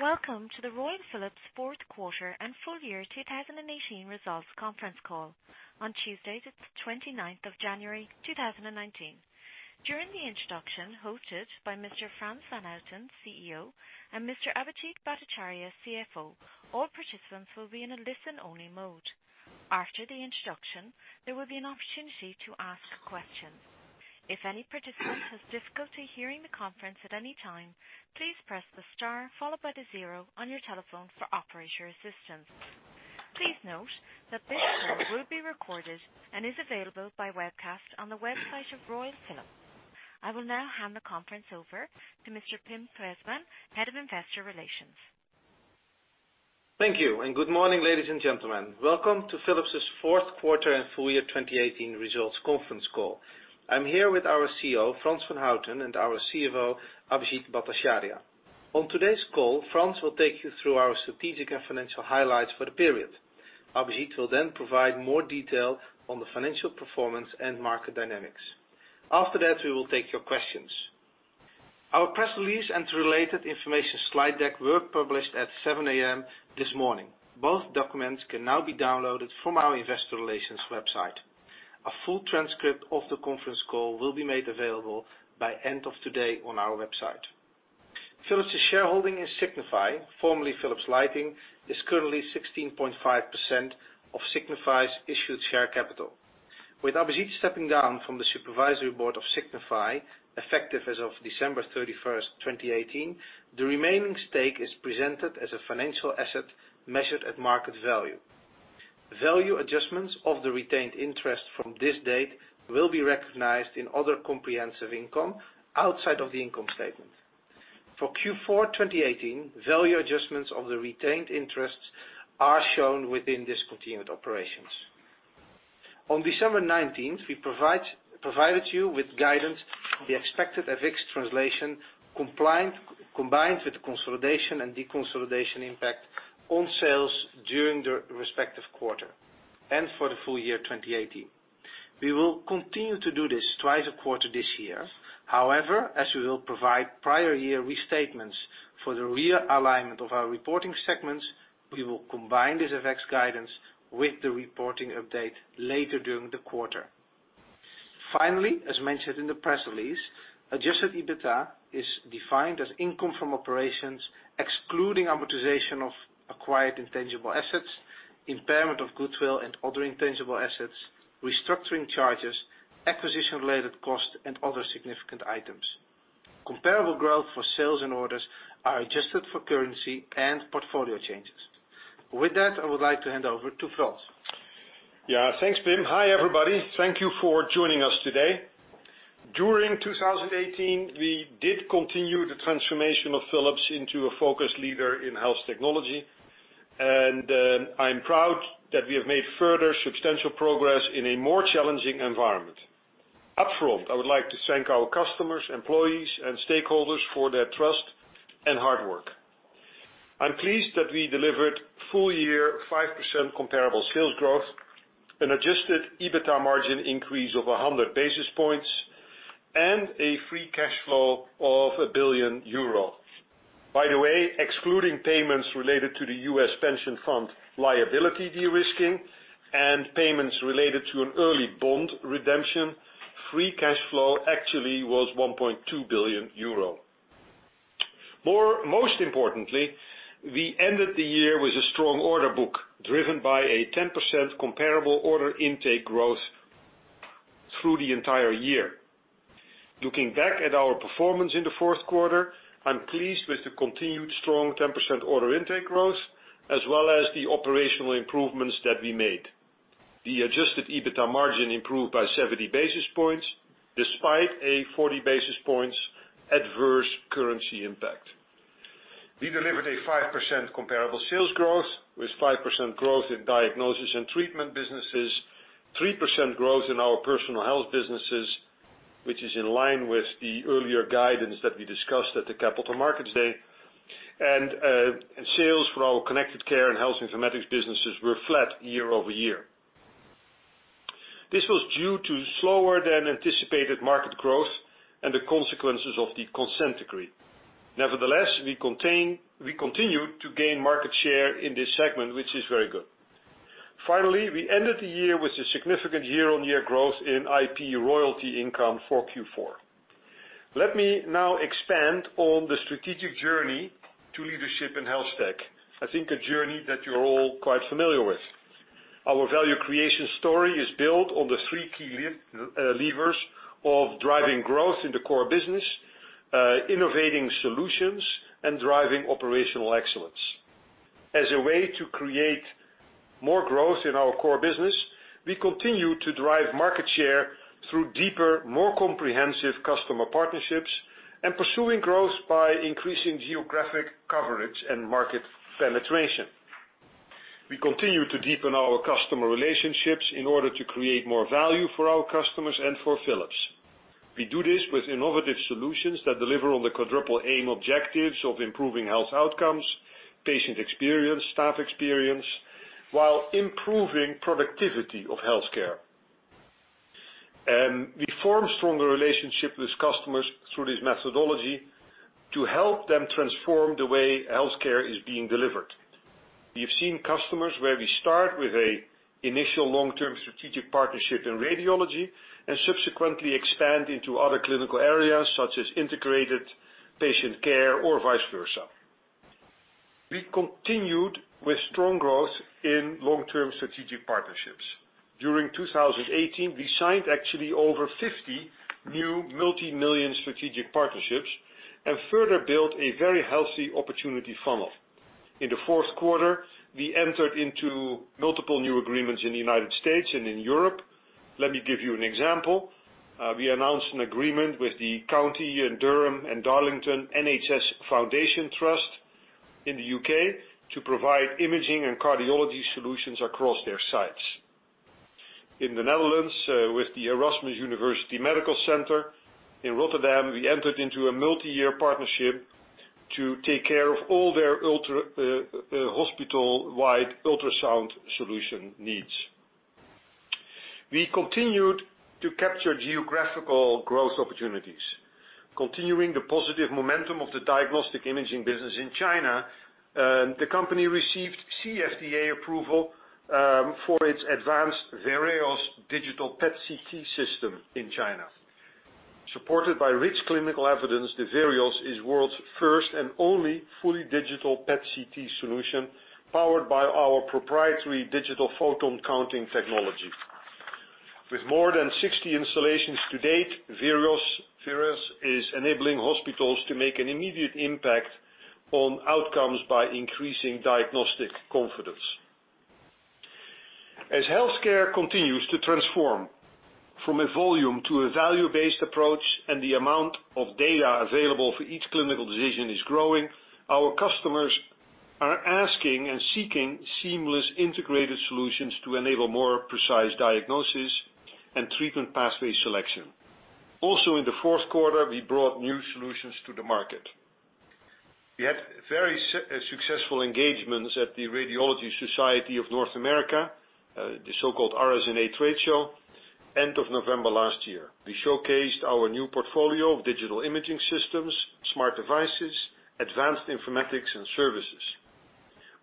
Welcome to the Royal Philips Fourth Quarter and Full Year 2018 Results Conference Call on Tuesday, the 29th of January, 2019. During the introduction, hosted by Mr. Frans van Houten, CEO, and Mr. Abhijit Bhattacharya, CFO, all participants will be in a listen-only mode. After the introduction, there will be an opportunity to ask questions. If any participant has difficulty hearing the conference at any time, please press the star followed by the zero on your telephone for operator assistance. Please note that this call will be recorded and is available by webcast on the website of Royal Philips. I will now hand the conference over to Mr. Pim Preesman, head of investor relations. Thank you. Good morning, ladies and gentlemen. Welcome to Philips' Fourth Quarter and Full Year 2018 Results Conference Call. I'm here with our CEO, Frans van Houten, and our CFO, Abhijit Bhattacharya. On today's call, Frans will take you through our strategic and financial highlights for the period. Abhijit will then provide more detail on the financial performance and market dynamics. After that, we will take your questions. Our press release and related information slide deck were published at 7:00 A.M. this morning. Both documents can now be downloaded from our investor relations website. A full transcript of the conference call will be made available by end of today on our website. Philips' shareholding in Signify, formerly Philips Lighting, is currently 16.5% of Signify's issued share capital. With Abhijit stepping down from the supervisory board of Signify effective as of December 31st, 2018, the remaining stake is presented as a financial asset measured at market value. Value adjustments of the retained interest from this date will be recognized in other comprehensive income outside of the income statement. For Q4 2018, value adjustments of the retained interests are shown within discontinued operations. On December 19th, we provided you with guidance on the expected FX translation combined with the consolidation and deconsolidation impact on sales during the respective quarter and for the full year 2018. We will continue to do this twice a quarter this year. As we will provide prior year restatements for the realignment of our reporting segments, we will combine this FX guidance with the reporting update later during the quarter. As mentioned in the press release, adjusted EBITA is defined as income from operations, excluding amortization of acquired intangible assets, impairment of goodwill and other intangible assets, restructuring charges, acquisition-related costs, and other significant items. Comparable growth for sales and orders are adjusted for currency and portfolio changes. With that, I would like to hand over to Frans. Thanks, Pim. Hi, everybody. Thank you for joining us today. During 2018, we did continue the transformation of Philips into a focused leader in health technology, and I'm proud that we have made further substantial progress in a more challenging environment. Upfront, I would like to thank our customers, employees, and stakeholders for their trust and hard work. I'm pleased that we delivered full year 5% comparable sales growth, an adjusted EBITA margin increase of 100 basis points, and a free cash flow of 1 billion euro. By the way, excluding payments related to the U.S. Pension Fund liability de-risking and payments related to an early bond redemption, free cash flow actually was 1.2 billion euro. Most importantly, we ended the year with a strong order book, driven by a 10% comparable order intake growth through the entire year. Looking back at our performance in the fourth quarter, I'm pleased with the continued strong 10% order intake growth, as well as the operational improvements that we made. The adjusted EBITA margin improved by 70 basis points despite a 40 basis points adverse currency impact. We delivered a 5% comparable sales growth with 5% growth in diagnosis and treatment businesses, 3% growth in our Personal Health businesses, which is in line with the earlier guidance that we discussed at the Capital Markets Day. Sales for our Connected Care & Health Informatics businesses were flat year-over-year. This was due to slower than anticipated market growth and the consequences of the consent decree. Nevertheless, we continued to gain market share in this segment, which is very good. Finally, we ended the year with a significant year-on-year growth in IP royalty income for Q4. Let me now expand on the strategic journey to leadership in health tech. I think a journey that you're all quite familiar with. Our value creation story is built on the three key levers of driving growth in the core business, innovating solutions, and driving operational excellence. As a way to create more growth in our core business, we continue to drive market share through deeper, more comprehensive customer partnerships and pursuing growth by increasing geographic coverage and market penetration. We continue to deepen our customer relationships in order to create more value for our customers and for Philips. We do this with innovative solutions that deliver on the Quadruple Aim objectives of improving health outcomes, patient experience, staff experience, while improving productivity of healthcare. We form stronger relationship with customers through this methodology to help them transform the way healthcare is being delivered. We have seen customers where we start with an initial long-term strategic partnership in radiology and subsequently expand into other clinical areas such as integrated patient care or vice versa. We continued with strong growth in long-term strategic partnerships. During 2018, we signed actually over 50 new multimillion strategic partnerships and further built a very healthy opportunity funnel. In the fourth quarter, we entered into multiple new agreements in the U.S. and in Europe. Let me give you an example. We announced an agreement with the County Durham and Darlington NHS Foundation Trust in the U.K. to provide imaging and cardiology solutions across their sites. In the Netherlands, with the Erasmus University Medical Center in Rotterdam, we entered into a multi-year partnership to take care of all their hospital-wide ultrasound solution needs. We continued to capture geographical growth opportunities. Continuing the positive momentum of the diagnostic imaging business in China, the company received CFDA approval for its advanced Philips Vereos Digital PET/CT system in China. Supported by rich clinical evidence, the Vereos is world's first and only fully digital PET/CT solution, powered by our proprietary digital photon counting technology. With more than 60 installations to date, Vereos is enabling hospitals to make an immediate impact on outcomes by increasing diagnostic confidence. As healthcare continues to transform from a volume to a value-based approach and the amount of data available for each clinical decision is growing, our customers are asking and seeking seamless integrated solutions to enable more precise diagnosis and treatment pathway selection. In the fourth quarter, we brought new solutions to the market. We had very successful engagements at the Radiological Society of North America, the so-called RSNA Trade Show, end of November last year. We showcased our new portfolio of digital imaging systems, smart devices, advanced informatics and services.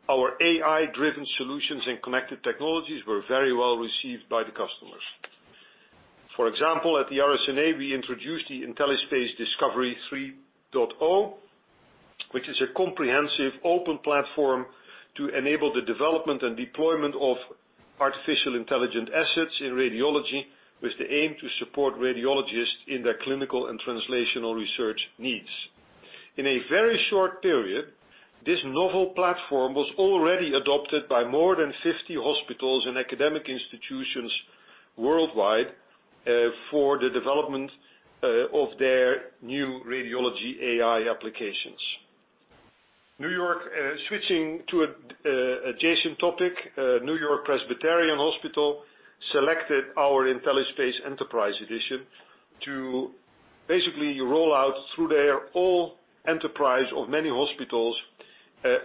Our AI-driven solutions and connected technologies were very well-received by the customers. For example, at the RSNA, we introduced the Philips IntelliSpace Discovery 3.0, which is a comprehensive open platform to enable the development and deployment of Artificial Intelligence assets in radiology with the aim to support radiologists in their clinical and translational research needs. In a very short period, this novel platform was already adopted by more than 50 hospitals and academic institutions worldwide, for the development of their new radiology AI applications. Switching to an adjacent topic, NewYork-Presbyterian Hospital selected our Philips IntelliSpace Enterprise Edition to basically roll out through their entire enterprise of many hospitals,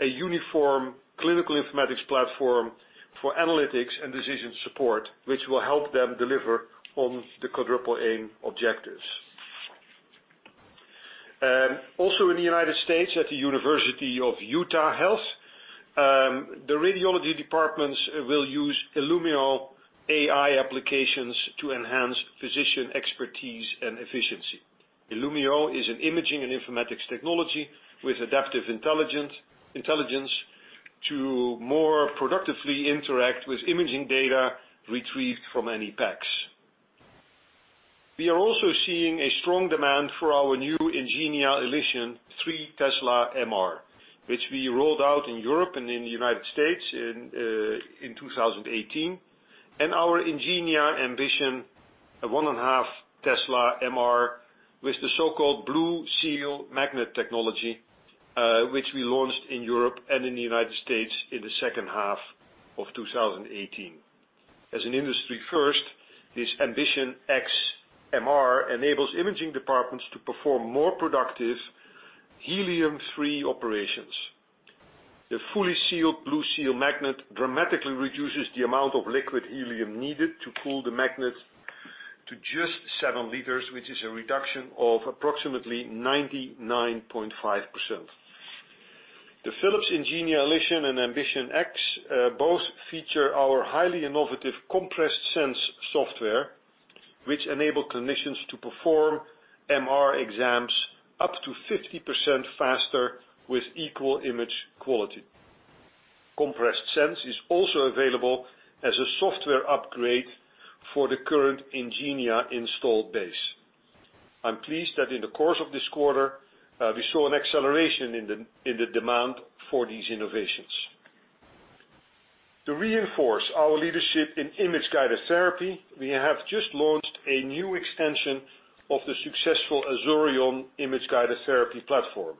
a uniform clinical informatics platform for analytics and decision support, which will help them deliver on the Quadruple Aim objectives. In the U.S., at the University of Utah Health, the radiology departments will use Philips Illumeo AI applications to enhance physician expertise and efficiency. Philips Illumeo is an imaging and informatics technology with adaptive intelligence to more productively interact with imaging data retrieved from any PACS. We are also seeing a strong demand for our new Philips Ingenia Elition 3 Tesla MR, which we rolled out in Europe and in the U.S. in 2018. Our Philips Ingenia Ambition, a 1.5 Tesla MR with the so-called Philips BlueSeal magnet technology, which we launched in Europe and in the U.S. in the second half of 2018. As an industry first, this Ambition X MR enables imaging departments to perform more productive helium-free operations. The fully sealed Philips BlueSeal magnet dramatically reduces the amount of liquid helium needed to cool the magnet to just seven liters, which is a reduction of approximately 99.5%. The Philips Ingenia Elition and Ambition X both feature our highly innovative Compressed SENSE software, which enable clinicians to perform MR exams up to 50% faster with equal image quality. Compressed SENSE is also available as a software upgrade for the current Ingenia install base. I'm pleased that in the course of this quarter, we saw an acceleration in the demand for these innovations. To reinforce our leadership in Image Guided Therapy, we have just launched a new extension of the successful Azurion Image Guided Therapy platform.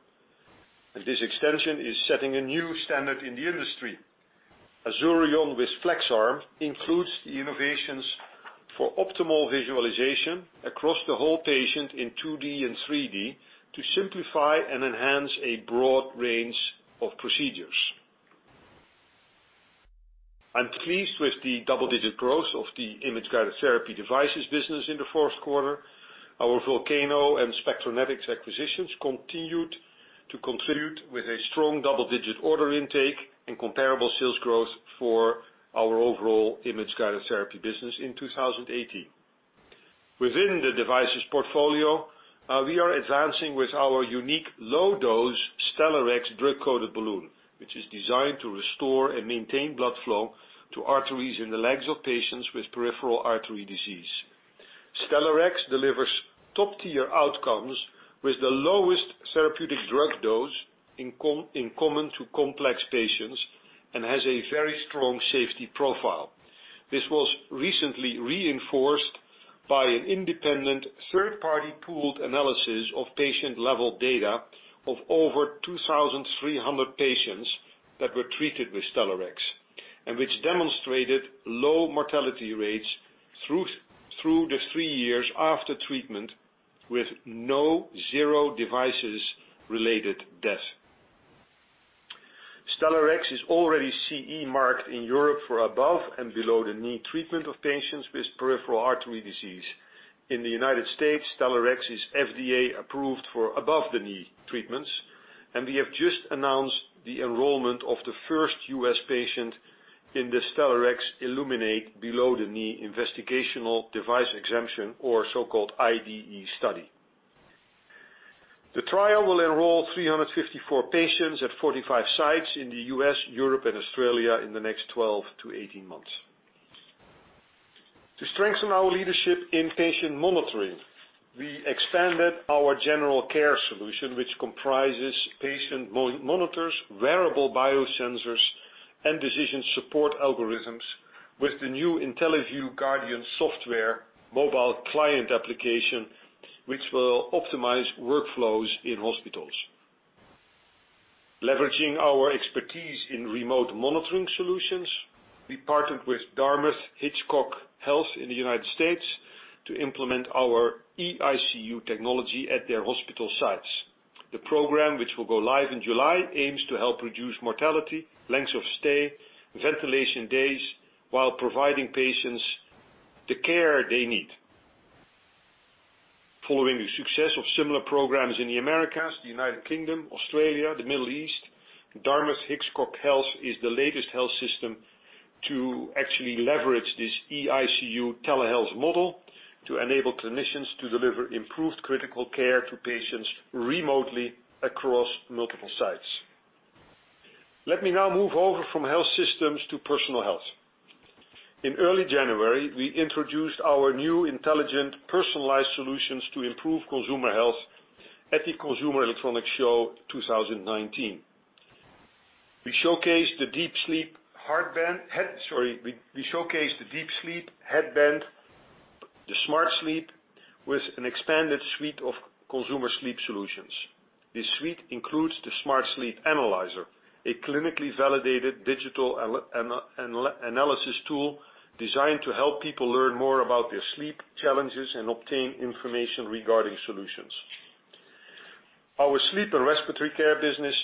This extension is setting a new standard in the industry. Azurion with FlexArm includes the innovations for optimal visualization across the whole patient in 2D and 3D to simplify and enhance a broad range of procedures. I'm pleased with the double-digit growth of the Image Guided Therapy devices business in the fourth quarter. Our Volcano and Spectranetics acquisitions continued to contribute with a strong double-digit order intake and comparable sales growth for our overall Image Guided Therapy business in 2018. Within the devices portfolio, we are advancing with our unique low-dose Stellarex Drug-Coated Balloon, which is designed to restore and maintain blood flow to arteries in the legs of patients with peripheral artery disease. Stellarex delivers top-tier outcomes with the lowest therapeutic drug dose in common to complex patients and has a very strong safety profile. This was recently reinforced by an independent third-party pooled analysis of patient-level data of over 2,300 patients that were treated with Stellarex, and which demonstrated low mortality rates through the three years after treatment with no, zero devices related death. Stellarex is already CE marked in Europe for above and below the knee treatment of patients with peripheral artery disease. In the United States, Stellarex is FDA approved for above-the-knee treatments, and we have just announced the enrollment of the first U.S. patient in the Stellarex ILLUMENATE below the knee investigational device exemption or so-called IDE study. The trial will enroll 354 patients at 45 sites in the U.S., Europe, and Australia in the next 12-18 months. To strengthen our leadership in patient monitoring, we expanded our general care solution, which comprises patient monitors, wearable biosensors, and decision support algorithms with the new IntelliVue Guardian Software mobile client application, which will optimize workflows in hospitals. Leveraging our expertise in remote monitoring solutions, we partnered with Dartmouth-Hitchcock Health in the United States to implement our eICU technology at their hospital sites. The program, which will go live in July, aims to help reduce mortality, lengths of stay, and ventilation days while providing patients the care they need. Following the success of similar programs in the Americas, the United Kingdom, Australia, the Middle East, Dartmouth-Hitchcock Health is the latest health system to actually leverage this eICU telehealth model to enable clinicians to deliver improved critical care to patients remotely across multiple sites. Let me now move over from health systems to Personal Health. In early January, we introduced our new intelligent, personalized solutions to improve consumer health at the Consumer Electronics Show 2019. We showcased the DeepSleep Headband, the SmartSleep, with an expanded suite of consumer sleep solutions. This suite includes the SmartSleep Analyzer, a clinically validated digital analysis tool designed to help people learn more about their sleep challenges and obtain information regarding solutions. Our Sleep and Respiratory Care business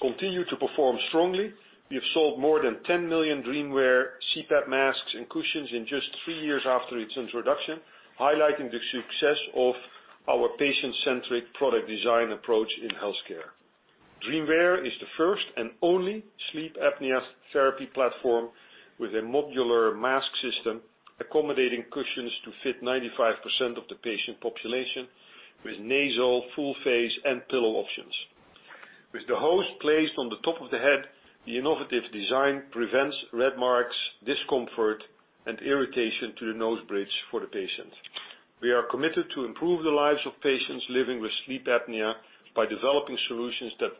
continued to perform strongly. We have sold more than 10 million DreamWear CPAP masks and cushions in just three years after its introduction, highlighting the success of our patient-centric product design approach in healthcare. DreamWear is the first and only sleep apnea therapy platform with a modular mask system accommodating cushions to fit 95% of the patient population, with nasal, full face, and pillow options. With the hose placed on the top of the head, the innovative design prevents red marks, discomfort, and irritation to the nose bridge for the patient. We are committed to improve the lives of patients living with sleep apnea by developing solutions that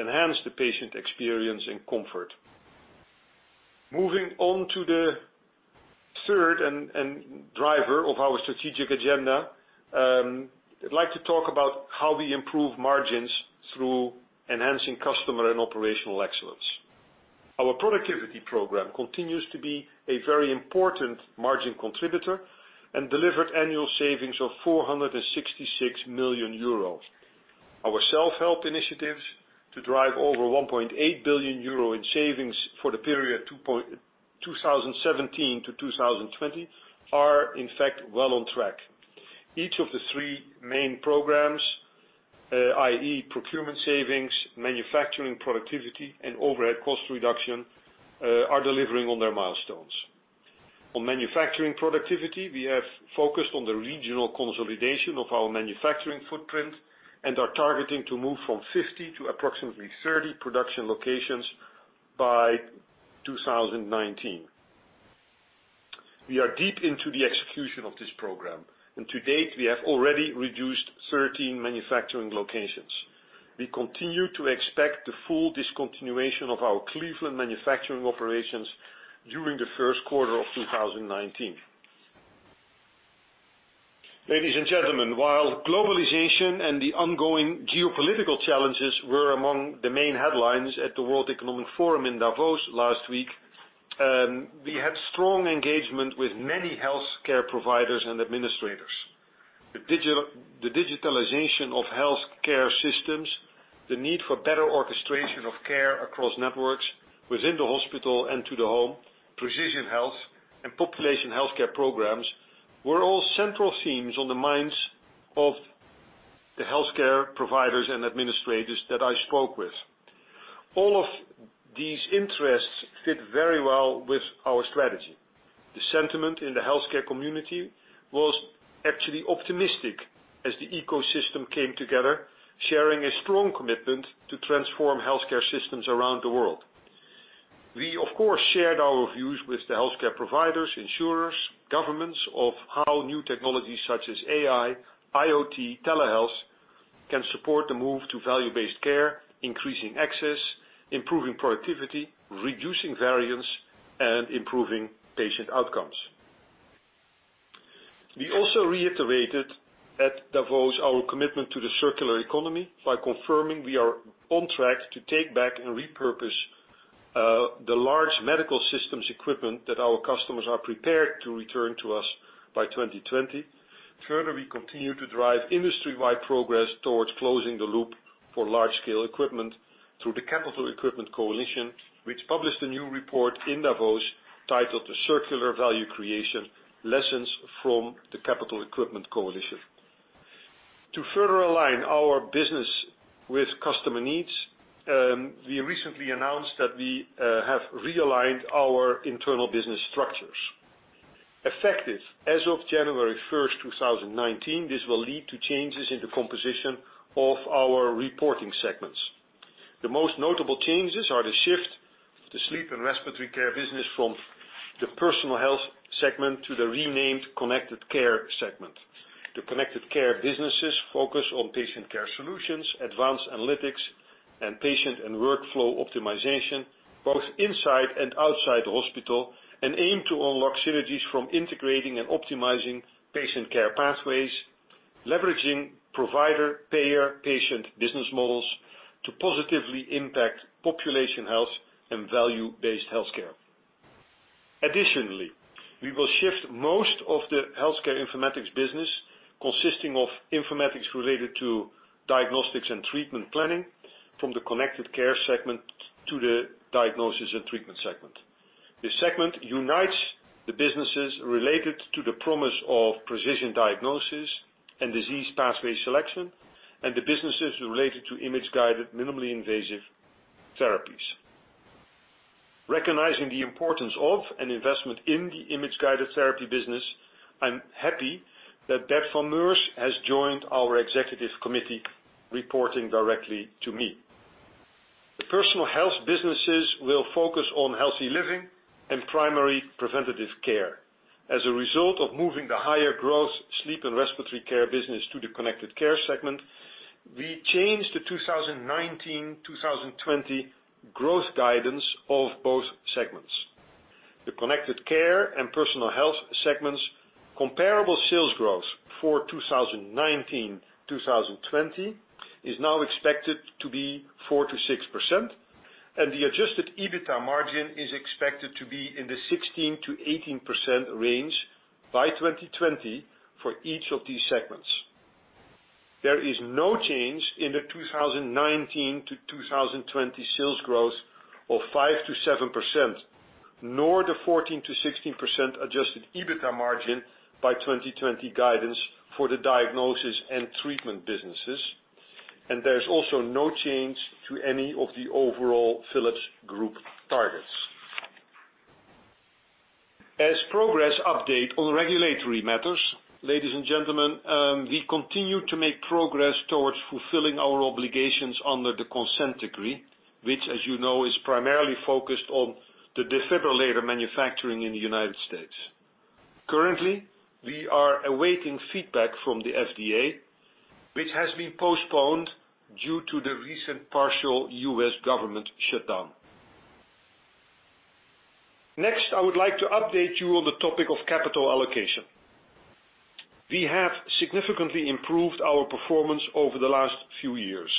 enhance the patient experience and comfort. Moving on to the third and driver of our strategic agenda, I'd like to talk about how we improve margins through enhancing customer and operational excellence. Our productivity program continues to be a very important margin contributor and delivered annual savings of 466 million euro. Our self-help initiatives to drive over 1.8 billion euro in savings for the period 2017 to 2020 are, in fact, well on track. Each of the three main programs, i.e. procurement savings, manufacturing productivity, and overhead cost reduction, are delivering on their milestones. On manufacturing productivity, we have focused on the regional consolidation of our manufacturing footprint and are targeting to move from 50 to approximately 30 production locations by 2019. We are deep into the execution of this program, and to date, we have already reduced 13 manufacturing locations. We continue to expect the full discontinuation of our Cleveland manufacturing operations during the first quarter of 2019. Ladies and gentlemen, while globalization and the ongoing geopolitical challenges were among the main headlines at the World Economic Forum in Davos last week, we had strong engagement with many healthcare providers and administrators. The digitalization of healthcare systems, the need for better orchestration of care across networks within the hospital and to the home, precision health and population healthcare programs were all central themes on the minds of the healthcare providers and administrators that I spoke with. All of these interests fit very well with our strategy. The sentiment in the healthcare community was actually optimistic as the ecosystem came together, sharing a strong commitment to transform healthcare systems around the world. We, of course, shared our views with the healthcare providers, insurers, governments of how new technologies such as AI, IoT, telehealth can support the move to value-based care, increasing access, improving productivity, reducing variance, and improving patient outcomes. We also reiterated at Davos our commitment to the circular economy by confirming we are on track to take back and repurpose the large medical systems equipment that our customers are prepared to return to us by 2020. Further, we continue to drive industry-wide progress towards closing the loop for large-scale equipment through the Capital Equipment Coalition, which published a new report in Davos titled "The Circular Value Creation: Lessons from the Capital Equipment Coalition." To further align our business with customer needs, we recently announced that we have realigned our internal business structures. Effective as of January 1st, 2019, this will lead to changes in the composition of our reporting segments. The most notable changes are the shift to Sleep and Respiratory Care business from the Personal Health segment to the renamed Connected Care segment. The Connected Care businesses focus on patient care solutions, advanced analytics, and patient and workflow optimization, both inside and outside the hospital, and aim to unlock synergies from integrating and optimizing patient care pathways, leveraging provider-payer-patient business models to positively impact population health and value-based healthcare. Additionally, we will shift most of the healthcare informatics business, consisting of informatics related to diagnostics and treatment planning, from the Connected Care segment to the Diagnosis and Treatment segment. This segment unites the businesses related to the promise of precision diagnosis and disease pathway selection, and the businesses related to Image Guided Therapy, minimally invasive therapies. Recognizing the importance of an investment in the Image Guided Therapy business, I am happy that Bert van Meurs has joined our executive committee, reporting directly to me. The Personal Health businesses will focus on healthy living and primary preventative care. As a result of moving the higher growth sleep and respiratory care business to the Connected Care segment, we changed the 2019-2020 growth guidance of both segments. The Connected Care and Personal Health segments' comparable sales growth for 2019-2020 is now expected to be 4%-6%, and the adjusted EBITDA margin is expected to be in the 16%-18% range by 2020 for each of these segments. There is no change in the 2019-2020 sales growth of 5%-7%, nor the 14%-16% adjusted EBITDA margin by 2020 guidance for the Diagnosis and Treatment businesses. There is also no change to any of the overall Philips Group targets. As progress update on regulatory matters, ladies and gentlemen, we continue to make progress towards fulfilling our obligations under the consent decree, which, as you know, is primarily focused on the defibrillator manufacturing in the U.S. Currently, we are awaiting feedback from the FDA, which has been postponed due to the recent partial U.S. government shutdown. I would like to update you on the topic of capital allocation. We have significantly improved our performance over the last few years,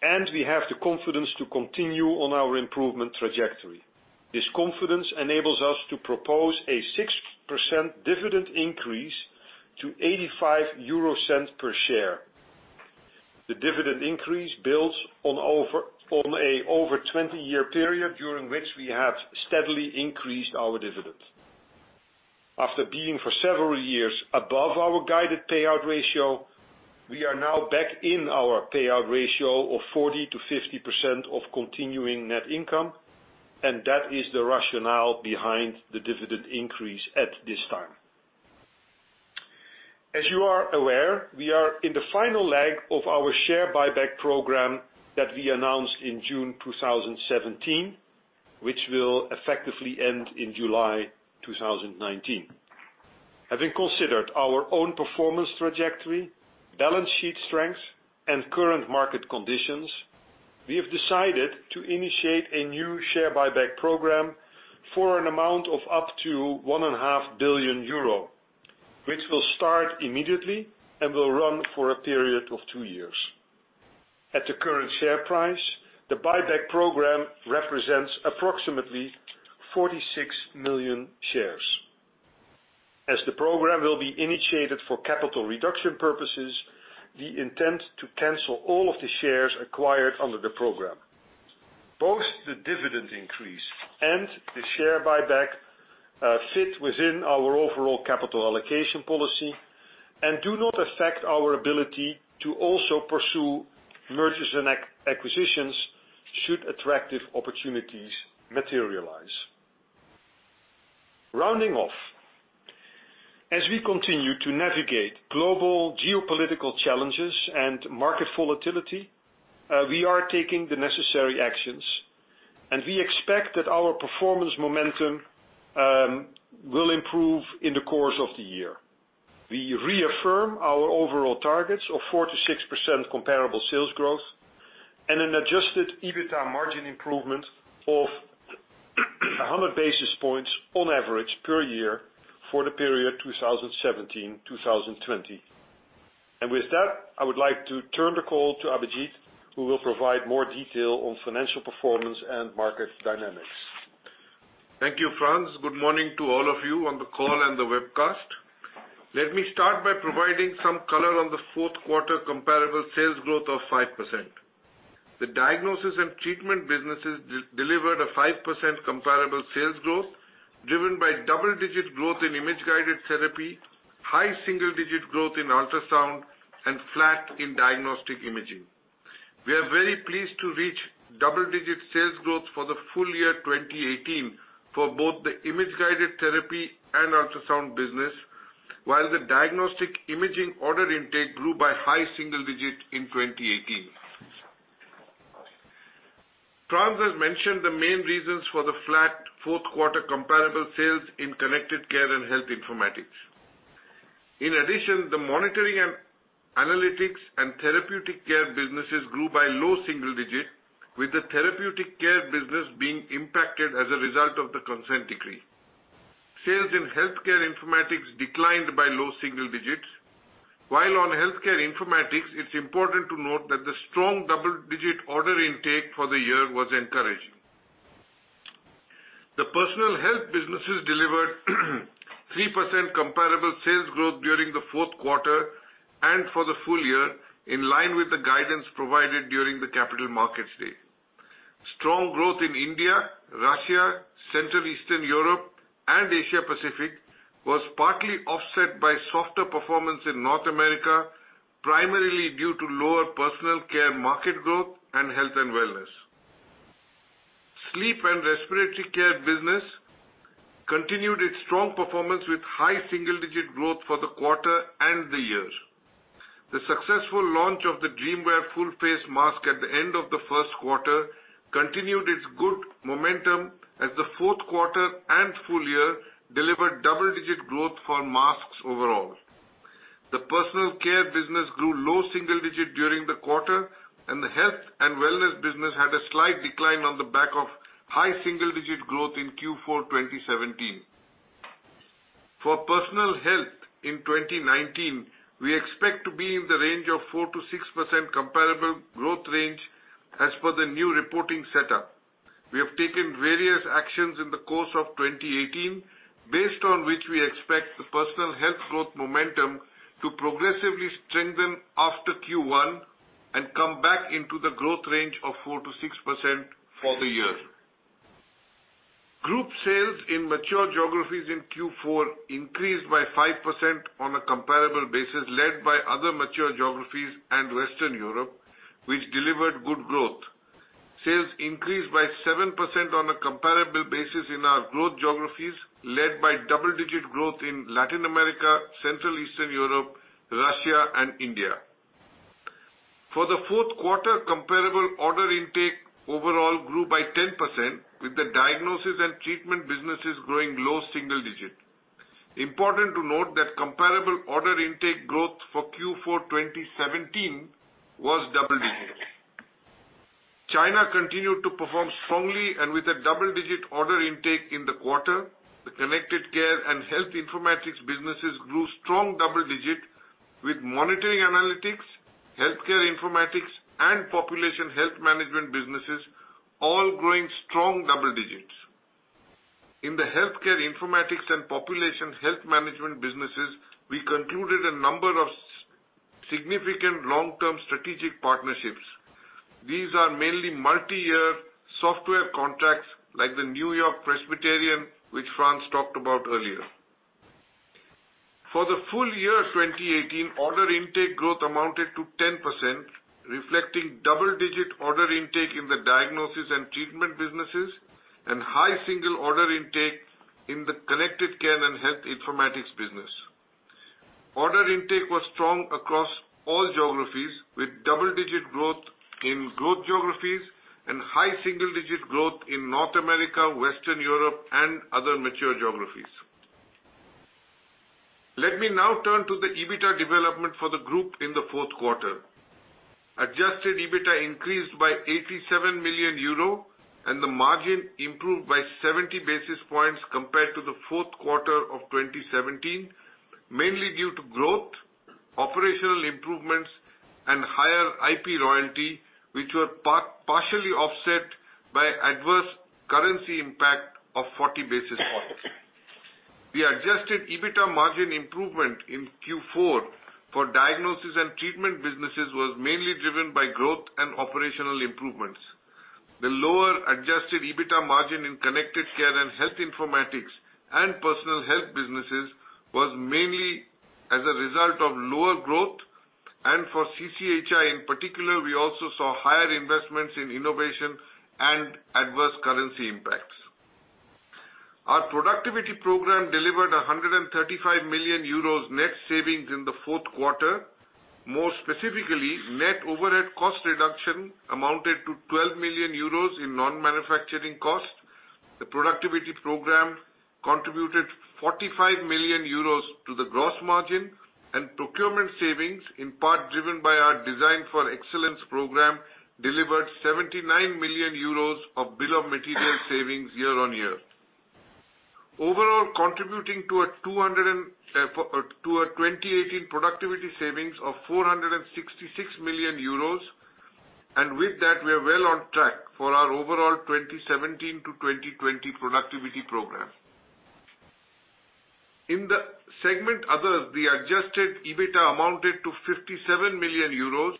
and we have the confidence to continue on our improvement trajectory. This confidence enables us to propose a 6% dividend increase to 0.85 per share. The dividend increase builds on a over 20-year period during which we have steadily increased our dividend. After being for several years above our guided payout ratio, we are now back in our payout ratio of 40%-50% of continuing net income, and that is the rationale behind the dividend increase at this time. As you are aware, we are in the final leg of our share buyback program that we announced in June 2017, which will effectively end in July 2019. Having considered our own performance trajectory, balance sheet strength, and current market conditions, we have decided to initiate a new share buyback program for an amount of up to 1.5 billion euro, which will start immediately and will run for a period of two years. At the current share price, the buyback program represents approximately 46 million shares. As the program will be initiated for capital reduction purposes, we intend to cancel all of the shares acquired under the program. Both the dividend increase and the share buyback fit within our overall capital allocation policy and do not affect our ability to also pursue mergers and acquisitions should attractive opportunities materialize. As we continue to navigate global geopolitical challenges and market volatility, we are taking the necessary actions, and we expect that our performance momentum will improve in the course of the year. We reaffirm our overall targets of 4%-6% comparable sales growth and an adjusted EBITA margin improvement of 100 basis points on average per year for the period 2017-2020. With that, I would like to turn the call to Abhijit, who will provide more detail on financial performance and market dynamics. Thank you, Frans. Good morning to all of you on the call and the webcast. Let me start by providing some color on the fourth quarter comparable sales growth of 5%. The Diagnosis and Treatment businesses delivered a 5% comparable sales growth, driven by double-digit growth Image Guided Therapy, high single-digit growth in Ultrasound, and flat in Diagnostic Imaging. We are very pleased to reach double-digit sales growth for the full year 2018 for both Image Guided Therapy and Ultrasound business, while the Diagnostic Imaging order intake grew by high single-digit in 2018. Frans has mentioned the main reasons for the flat fourth quarter comparable sales in Connected Care and Health Informatics. In addition, the monitoring and analytics and therapeutic care businesses grew by low single-digit, with the therapeutic care business being impacted as a result of the consent decree. Sales in Healthcare Informatics declined by low single-digits, while on Healthcare Informatics, it is important to note that the strong double-digit order intake for the year was encouraging. The Personal Health businesses delivered 3% comparable sales growth during the fourth quarter and for the full year, in line with the guidance provided during the Capital Markets Day. Strong growth in India, Russia, Central Eastern Europe, and Asia Pacific was partly offset by softer performance in North America, primarily due to lower Personal Care market growth and Health and Wellness. Sleep and Respiratory Care business continued its strong performance with high single-digit growth for the quarter and the year. The successful launch of the DreamWear full face mask at the end of the first quarter continued its good momentum as the fourth quarter and full year delivered double-digit growth for masks overall. The Personal Care business grew low single-digit during the quarter, and the Health and Wellness business had a slight decline on the back of high single-digit growth in Q4 2017. For Personal Health in 2019, we expect to be in the range of 4%-6% comparable growth range as per the new reporting setup. We have taken various actions in the course of 2018, based on which we expect the Personal Health growth momentum to progressively strengthen after Q1 and come back into the growth range of 4%-6% for the year. Group sales in mature geographies in Q4 increased by 5% on a comparable basis, led by other mature geographies and Western Europe, which delivered good growth. Sales increased by 7% on a comparable basis in our growth geographies, led by double-digit growth in Latin America, Central Eastern Europe, Russia, and India. For the fourth quarter, comparable order intake overall grew by 10%, with the Diagnosis and Treatment businesses growing at low single digit. Important to note that comparable order intake growth for Q4 2017 was double digits. China continued to perform strongly with a double-digit order intake in the quarter. The Connected Care and Health Informatics businesses grew strong double digits with Monitoring Analytics, Healthcare Informatics, and Population Health Management businesses all growing strong double digits. In the Healthcare Informatics and Population Health Management businesses, we concluded a number of significant long-term strategic partnerships. These are mainly multi-year software contracts, like the NewYork-Presbyterian, which Frans talked about earlier. For the full year 2018, order intake growth amounted to 10%, reflecting double-digit order intake in the Diagnosis and Treatment businesses and high single order intake in the Connected Care and Health Informatics business. Order intake was strong across all geographies, with double-digit growth in growth geographies and high single-digit growth in North America, Western Europe, and other mature geographies. Let me now turn to the EBITA development for the group in the fourth quarter. Adjusted EBITA increased by 87 million euro, and the margin improved by 70 basis points compared to the fourth quarter of 2017. Mainly due to growth, operational improvements, and higher IP royalty, which were partially offset by an adverse currency impact of 40 basis points. The adjusted EBITDA margin improvement in Q4 for Diagnosis and Treatment businesses was mainly driven by growth and operational improvements. The lower adjusted EBITDA margin in Connected Care and Health Informatics and Personal Health businesses was mainly as a result of lower growth, and for CCHI in particular, we also saw higher investments in innovation and adverse currency impacts. Our productivity program delivered 135 million euros net savings in the fourth quarter. More specifically, net overhead cost reduction amounted to 12 million euros in non-manufacturing costs. The productivity program contributed 45 million euros to the gross margin and procurement savings, in part driven by our Design for Excellence program, delivered 79 million euros of bill of material savings year-on-year. Overall, contributing to a 2018 productivity savings of 466 million euros, and with that, we are well on track for our overall 2017-2020 productivity program. In the segment other, the adjusted EBITDA amounted to 57 million euros,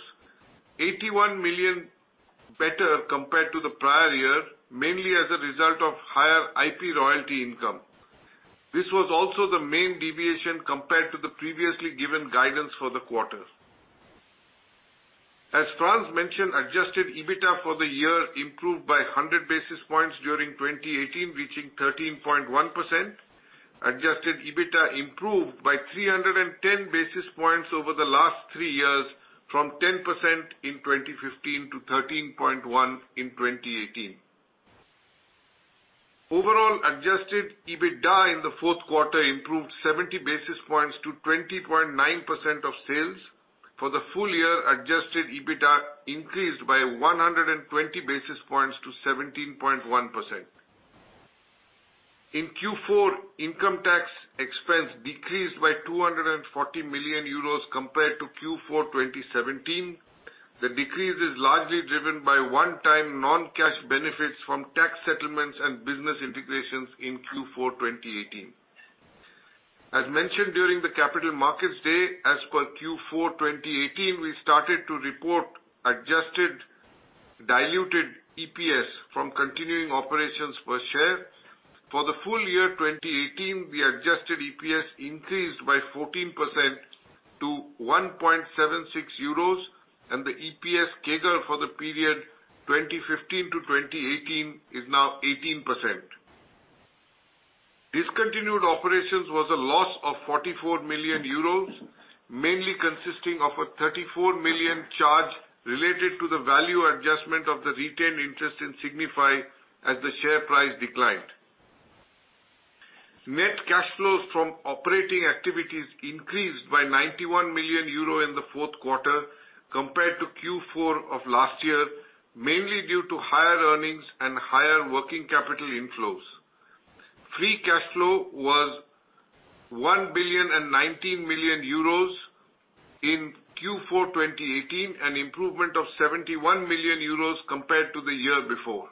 81 million better compared to the prior year, mainly as a result of higher IP royalty income. This was also the main deviation compared to the previously given guidance for the quarter. As Frans mentioned, adjusted EBITDA for the year improved by 100 basis points during 2018, reaching 13.1%. Adjusted EBITDA improved by 310 basis points over the last three years, from 10% in 2015 to 13.1% in 2018. Overall, adjusted EBITDA in the fourth quarter improved 70 basis points to 20.9% of sales. For the full year, adjusted EBITDA increased by 120 basis points to 17.1%. In Q4, income tax expense decreased by 240 million euros compared to Q4 2017. The decrease is largely driven by one-time non-cash benefits from tax settlements and business integrations in Q4 2018. As mentioned during the Capital Markets Day, as per Q4 2018, we started to report adjusted diluted EPS from continuing operations per share. For the full year 2018, the adjusted EPS increased by 14% to 1.76 euros, and the EPS CAGR for the period 2015 to 2018 is now 18%. Discontinued operations was a loss of 44 million euros, mainly consisting of a 34 million charge related to the value adjustment of the retained interest in Signify as the share price declined. Net cash flows from operating activities increased by 91 million euro in the fourth quarter compared to Q4 of last year, mainly due to higher earnings and higher working capital inflows. Free cash flow was 1,019 millio in Q4 2018, an improvement of 71 million euros compared to the year before.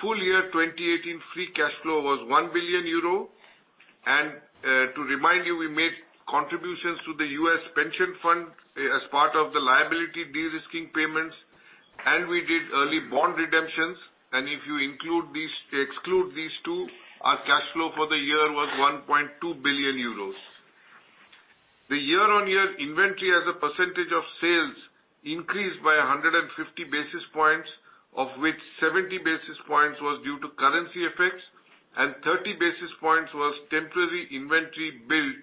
Full year 2018, free cash flow was 1 billion euro. To remind you, we made contributions to the U.S. Pension Fund as part of the liability de-risking payments, and we did early bond redemptions, and if you exclude these two, our cash flow for the year was 1.2 billion euros. The year-on-year inventory as a percentage of sales increased by 150 basis points, of which 70 basis points was due to currency effects and 30 basis points was temporary inventory built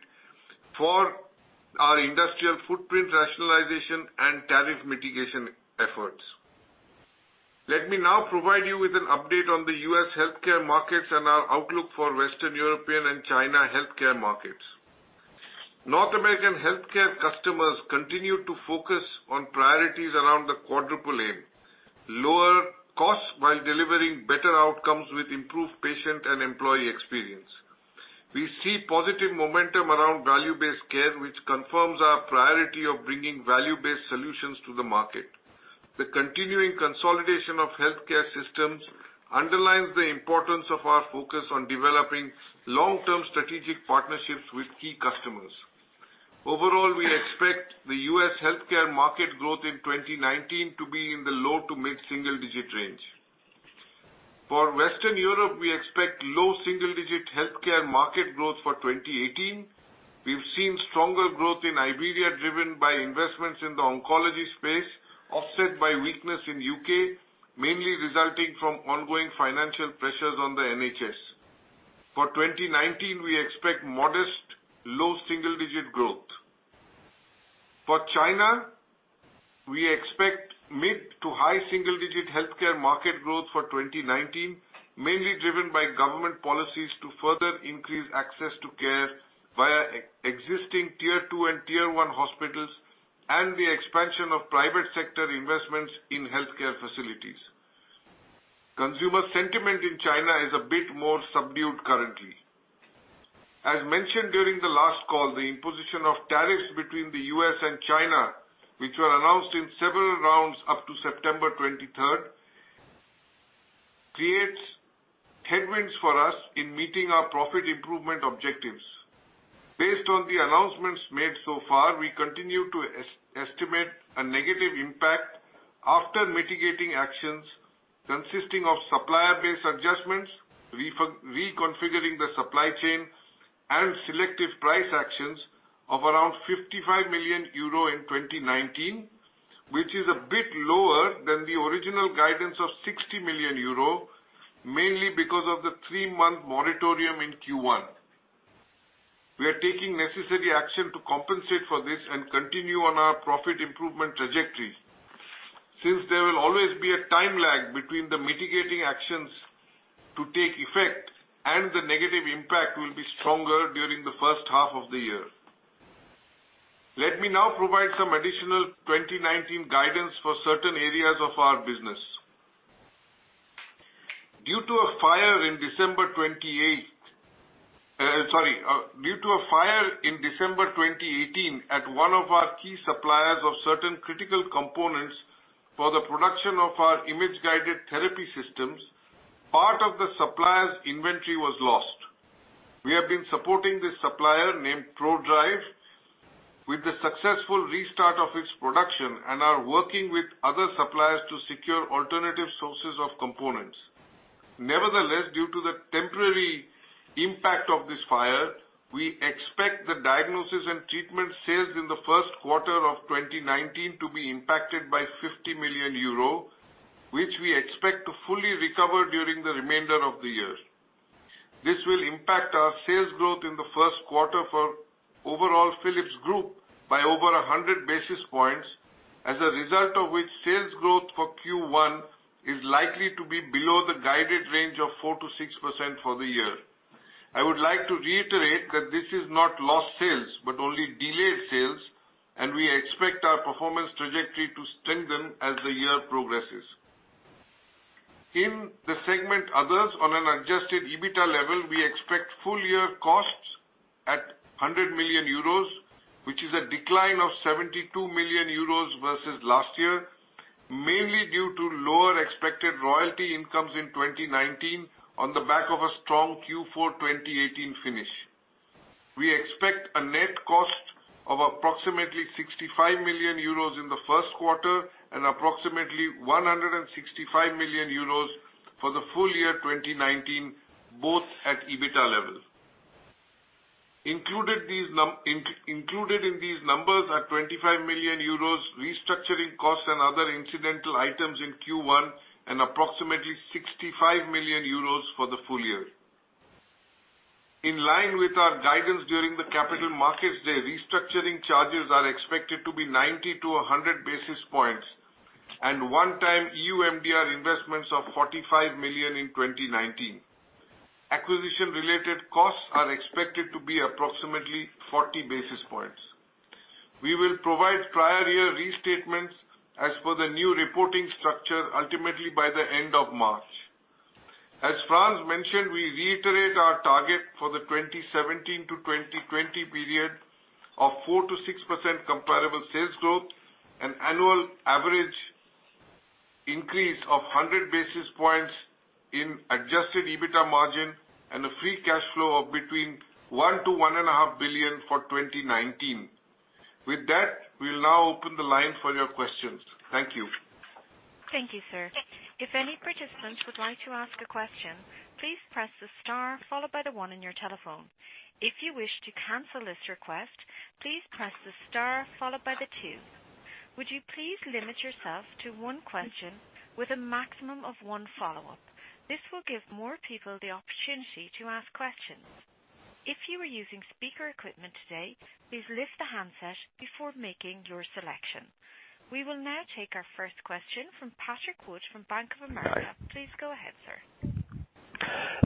for our industrial footprint rationalization and tariff mitigation efforts. Let me now provide you with an update on the U.S. healthcare markets and our outlook for Western European and China healthcare markets. North American healthcare customers continue to focus on priorities around the Quadruple Aim, lower costs while delivering better outcomes with improved patient and employee experience. We see positive momentum around value-based care, which confirms our priority of bringing value-based solutions to the market. The continuing consolidation of healthcare systems underlines the importance of our focus on developing long-term strategic partnerships with key customers. Overall, we expect the U.S. healthcare market growth in 2019 to be in the low to mid single-digit range. For Western Europe, we expect low single-digit healthcare market growth for 2018. We've seen stronger growth in Iberia driven by investments in the oncology space, offset by weakness in the U.K., mainly resulting from ongoing financial pressures on the NHS. For 2019, we expect modest low single-digit growth. For China, we expect mid to high single-digit healthcare market growth for 2019, mainly driven by government policies to further increase access to care via existing Tier 2 and Tier 1 hospitals and the expansion of private sector investments in healthcare facilities. Consumer sentiment in China is a bit more subdued currently. As mentioned during the last call, the imposition of tariffs between the U.S. and China, which were announced in several rounds up to September 23rd, creates headwinds for us in meeting our profit improvement objectives. Based on the announcements made so far, we continue to estimate a negative impact after mitigating actions consisting of supplier base adjustments, reconfiguring the supply chain, and selective price actions of around 55 million euro in 2019, which is a bit lower than the original guidance of 60 million euro, mainly because of the three-month moratorium in Q1. We are taking necessary action to compensate for this and continue on our profit improvement trajectory. There will always be a time lag between the mitigating actions to take effect and the negative impact will be stronger during the first half of the year. Let me now provide some additional 2019 guidance for certain areas of our business. Due to a fire in December 2018 at one of our key suppliers of certain critical components for the production of our Image Guided Therapy systems, part of the supplier's inventory was lost. We have been supporting this supplier, named Prodrive, with the successful restart of its production and are working with other suppliers to secure alternative sources of components. Nevertheless, due to the temporary impact of this fire, we expect the diagnosis and treatment sales in the first quarter of 2019 to be impacted by 50 million euro, which we expect to fully recover during the remainder of the year. This will impact our sales growth in the first quarter for overall Philips Group by over 100 basis points, as a result of which sales growth for Q1 is likely to be below the guided range of 4%-6% for the year. I would like to reiterate that this is not lost sales, but only delayed sales, and we expect our performance trajectory to strengthen as the year progresses. In the segment others, on an adjusted EBITA level, we expect full-year costs at 100 million euros, which is a decline of 72 million euros versus last year, mainly due to lower expected royalty incomes in 2019 on the back of a strong Q4 2018 finish. We expect a net cost of approximately 65 million euros in the first quarter and approximately 165 million euros for the full year 2019, both at EBITA level. Included in these numbers are 25 million euros restructuring costs and other incidental items in Q1, and approximately 65 million euros for the full year. In line with our guidance during the Capital Markets Day, restructuring charges are expected to be 90 to 100 basis points and one-time EU MDR investments of 45 million in 2019. Acquisition-related costs are expected to be approximately 40 basis points. We will provide prior year restatements as per the new reporting structure, ultimately by the end of March. As Frans mentioned, we reiterate our target for the 2017-2020 period of 4%-6% comparable sales growth, an annual average increase of 100 basis points in adjusted EBITA margin, and a free cash flow of between 1 billion-1.5 billion for 2019. We'll now open the line for your questions. Thank you. Thank you, sir. If any participants would like to ask a question, please press the star followed by the one on your telephone. If you wish to cancel this request, please press the star followed by the two. Would you please limit yourself to one question with a maximum of one follow-up? This will give more people the opportunity to ask questions. If you are using speaker equipment today, please lift the handset before making your selection. We will now take our first question from Patrick Wood from Bank of America. Please go ahead, sir.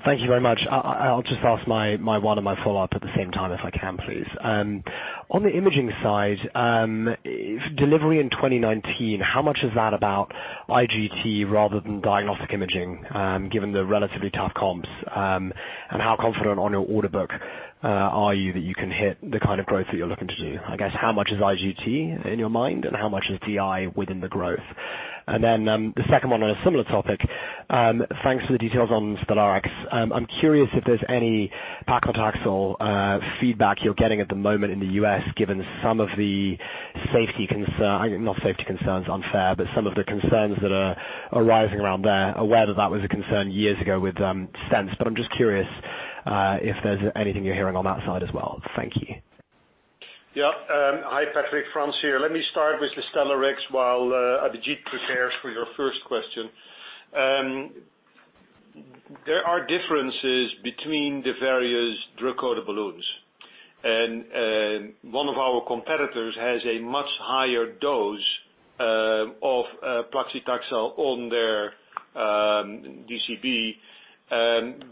Thank you very much. I'll just ask one and my follow-up at the same time if I can, please. On the imaging side, delivery in 2019, how much is that about IGT rather than diagnostic imaging, given the relatively tough comps? How confident on your order book are you that you can hit the kind of growth that you're looking to do? I guess how much is IGT in your mind, and how much is DI within the growth? The second one on a similar topic. Thanks for the details on Stellarex. I'm curious if there's any paclitaxel feedback you're getting at the moment in the U.S., given some of the safety concerns. Not safety concerns, unfair, but some of the concerns that are arising around there. Aware that that was a concern years ago with SenseIQ, but I'm just curious if there's anything you're hearing on that side as well. Thank you. Yeah. Hi, Patrick. Frans here. Let me start with the Stellarex while Abhijit prepares for your first question. There are differences between the various drug-coated balloons. One of our competitors has a much higher dose of paclitaxel on their DCB,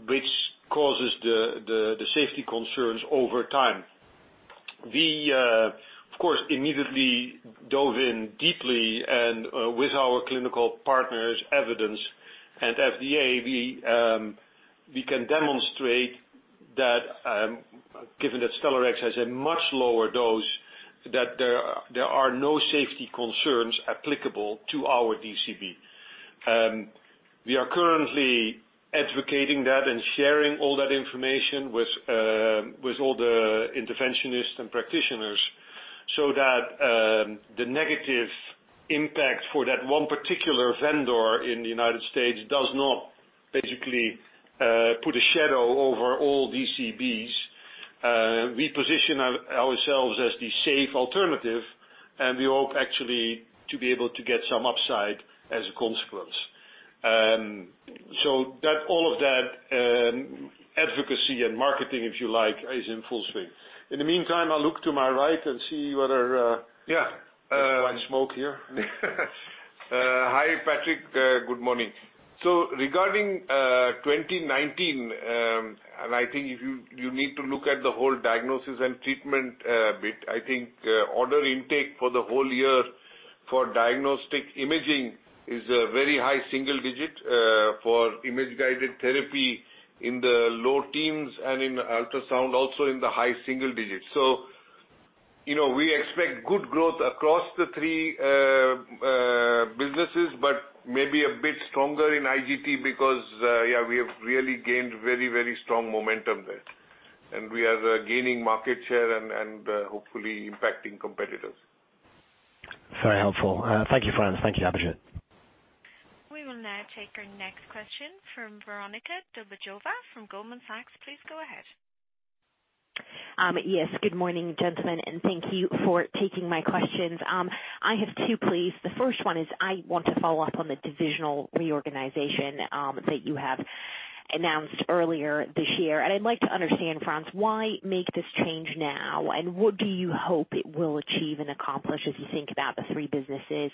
which causes the safety concerns over time. We, of course, immediately dove in deeply and with our clinical partners, evidence and FDA, we can demonstrate that, given that Stellarex has a much lower dose, that there are no safety concerns applicable to our DCB. We are currently advocating that and sharing all that information with all the interventionists and practitioners so that the negative impact for that one particular vendor in the United States does not basically put a shadow over all DCBs. We position ourselves as the safe alternative, and we hope actually to be able to get some upside as a consequence. All of that advocacy and marketing, if you like, is in full swing. In the meantime, I'll look to my right and see whether. Yeah White smoke here. Hi, Patrick. Good morning. Regarding 2019, I think if you need to look at the whole diagnosis and treatment a bit. I think order intake for the whole year for Diagnostic Imaging is a very high single digit, Image Guided Therapy in the low teens and in Ultrasound, also in the high single digits. We expect good growth across the three businesses, but maybe a bit stronger in IGT because we have really gained very strong momentum there. We are gaining market share and hopefully impacting competitors. Very helpful. Thank you, Frans. Thank you, Abhijit. We will now take our next question from Veronika Dubajova from Goldman Sachs. Please go ahead. Yes. Good morning, gentlemen, and thank you for taking my questions. I have two, please. The first one is I want to follow up on the divisional reorganization that you have announced earlier this year. I'd like to understand, Frans, why make this change now, and what do you hope it will achieve and accomplish as you think about the three businesses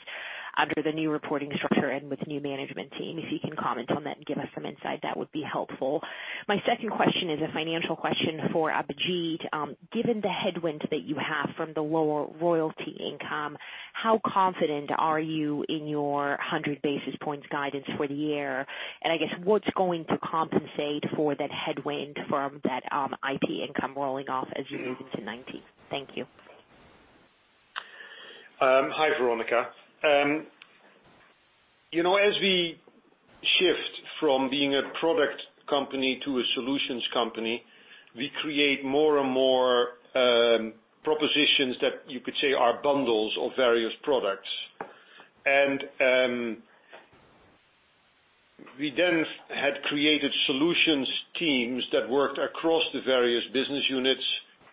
under the new reporting structure and with the new management team? If you can comment on that and give us some insight, that would be helpful. My second question is a financial question for Abhijit. Given the headwind that you have from the lower royalty income, how confident are you in your 100 basis points guidance for the year? I guess what's going to compensate for that headwind from that IP income rolling off as you move into 2019? Thank you. Hi, Veronika. As we shift from being a product company to a solutions company, we create more and more propositions that you could say are bundles of various products. We then had created solutions teams that worked across the various business units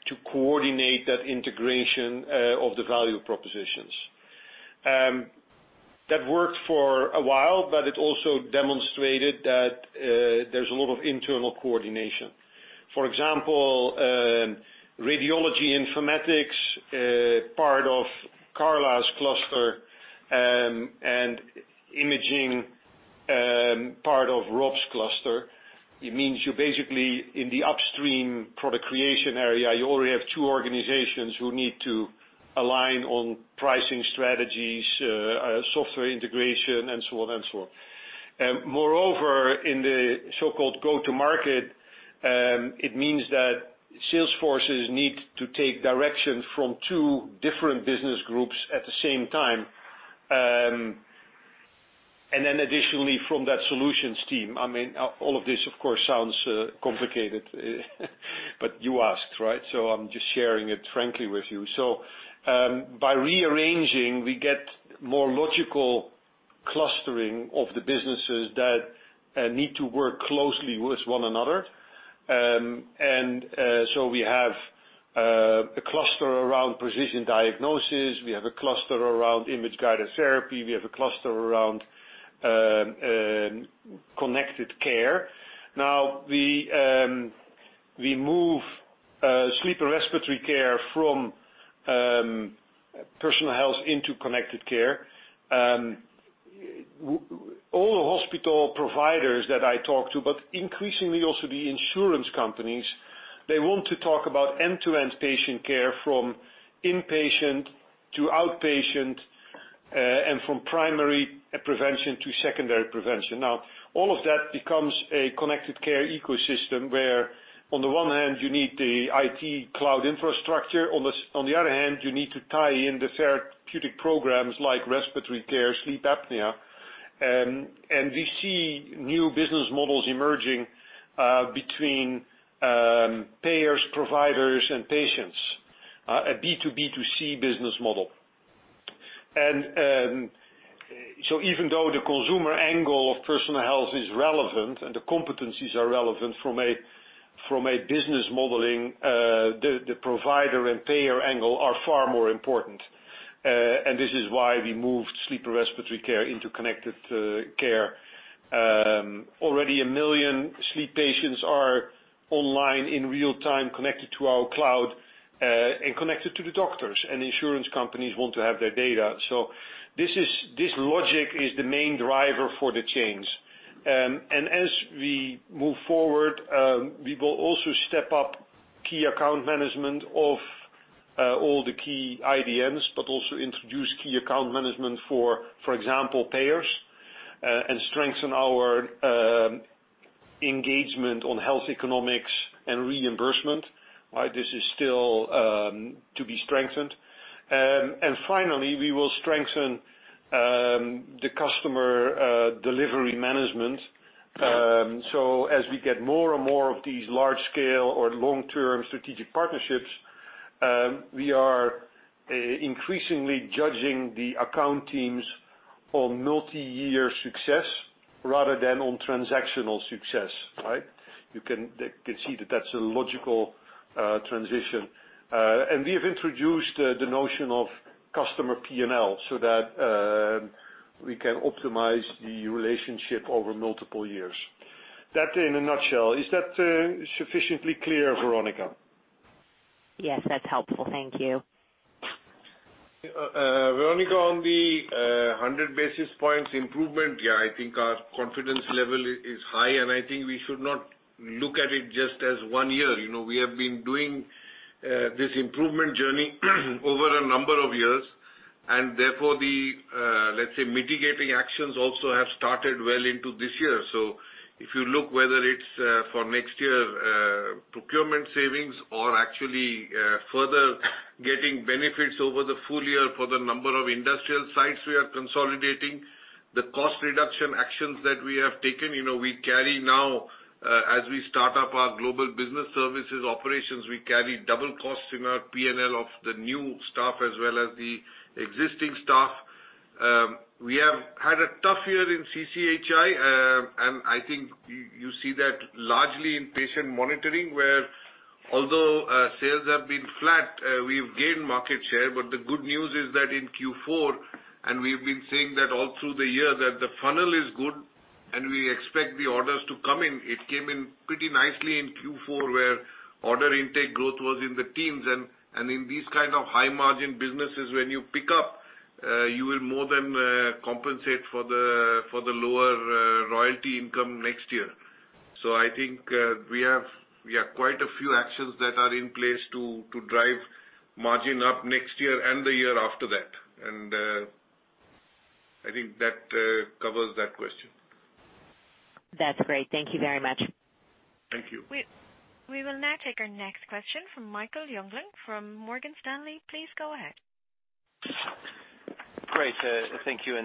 to coordinate that integration of the value propositions. That worked for a while, but it also demonstrated that there's a lot of internal coordination. For example, radiology informatics, part of Carla's cluster, and imaging, part of Rob's cluster. It means you are basically in the upstream product creation area, you already have two organizations who need to align on pricing strategies, software integration, and so on. Moreover, in the so-called go-to market, it means that sales forces need to take direction from two different business groups at the same time. Then, additionally, from that solutions team. All of this, of course, sounds complicated, but you asked, right? I'm just sharing it frankly with you. By rearranging, we get more logical clustering of the businesses that need to work closely with one another. We have a cluster around precision diagnosis. We have a cluster around Image Guided Therapy. We have a cluster around Connected Care. We move sleep and respiratory care from Personal Health into Connected Care. All the hospital providers that I talk to, but increasingly also the insurance companies, they want to talk about end-to-end patient care from inpatient to outpatient, and from primary prevention to secondary prevention. All of that becomes a Connected Care ecosystem, where on the one hand, you need the IT cloud infrastructure, on the other hand, you need to tie in the therapeutic programs like Respiratory Care, sleep apnea. We see new business models emerging between payers, providers, and patients. A B2B2C business model. Even though the consumer angle of Personal Health is relevant and the competencies are relevant from a business modeling, the provider and payer angle are far more important. This is why we moved sleep respiratory care into Connected Care. Already, one million sleep patients are online in real-time, connected to our cloud, and connected to the doctors, and insurance companies want to have their data. This logic is the main driver for the change. As we move forward, we will also step up key account management of all the key IDNs, but also introduce key account management, for example, payers, and strengthen our engagement on health economics and reimbursement. This is still to be strengthened. Finally, we will strengthen the customer delivery management. As we get more and more of these large-scale or long-term strategic partnerships, we are increasingly judging the account teams on multi-year success rather than on transactional success. You can see that that's a logical transition. We have introduced the notion of customer P&L so that we can optimize the relationship over multiple years. That, in a nutshell. Is that sufficiently clear, Veronika? Yes, that's helpful. Thank you. Veronika, on the 100 basis points improvement, I think our confidence level is high. I think we should not look at it just as one year. We have been doing this improvement journey over a number of years. Therefore, let's say, mitigating actions have also started well into this year. If you look at whether it's for next year procurement savings or actually further getting benefits over the full year for the number of industrial sites we are consolidating, the cost reduction actions that we have taken, as we start up our global business services operations, we carry double costs in our P&L of the new staff as well as the existing staff. We have had a tough year in CCHI, and I think you see that largely in patient monitoring, where, although sales have been flat, we've gained market share. The good news is that in Q4, we've been saying that all through the year, that the funnel is good. We expect the orders to come in. It came in pretty nicely in Q4, where order intake growth was in the teens. In these kind of high margin businesses, when you pick up, you will more than compensate for the lower royalty income next year. I think we have quite a few actions that are in place to drive margin up next year and the year after that. I think that covers that question. That's great. Thank you very much. Thank you. We will now take our next question from Michael Jüngling from Morgan Stanley. Please go ahead. Great. Thank you.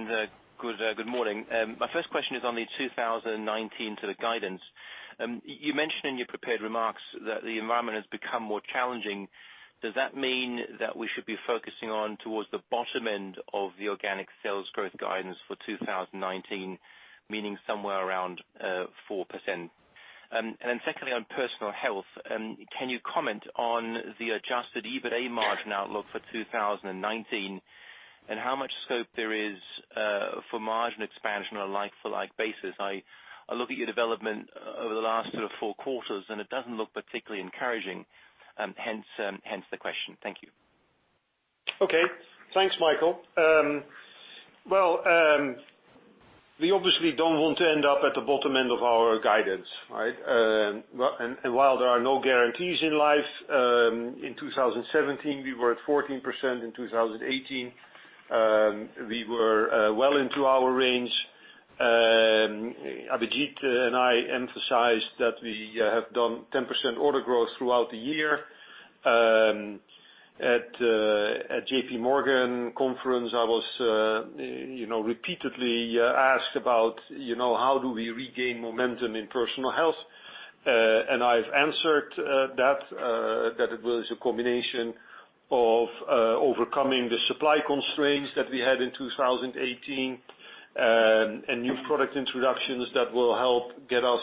Good morning. My first question is on the 2019 guidance. You mentioned in your prepared remarks that the environment has become more challenging. Does that mean that we should be focusing on towards the bottom end of the organic sales growth guidance for 2019, meaning somewhere around 4%? Secondly, on Personal Health, can you comment on the adjusted EBITA margin outlook for 2019 and how much scope there is for margin expansion on a like-for-like basis? I look at your development over the last sort of four quarters, and it doesn't look particularly encouraging, hence the question. Thank you. Okay. Thanks, Michael. We obviously don't want to end up at the bottom end of our guidance. While there are no guarantees in life, in 2017, we were at 14%. In 2018, we were well into our range. Abhijit and I emphasized that we have done 10% order growth throughout the year. At JPMorgan conference, I was repeatedly asked about how do we regain momentum in Personal Health. I've answered that it was a combination of overcoming the supply constraints that we had in 2018 and new product introductions that will help get us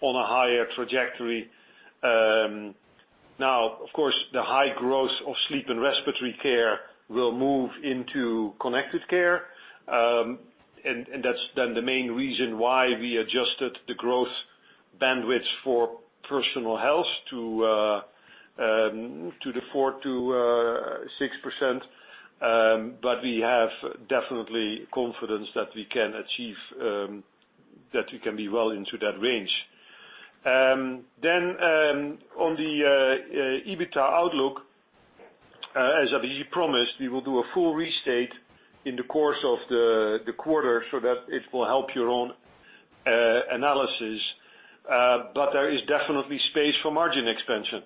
on a higher trajectory. Of course, the high growth of Sleep and Respiratory Care will move into Connected Care. That's the main reason why we adjusted the growth bandwidth for Personal Health to the 4%-6%. We have definitely confidence that we can be well into that range. On the EBITA outlook, as Abhijit promised, we will do a full restate in the course of the quarter so that it will help your own analysis. There is definitely space for margin expansion.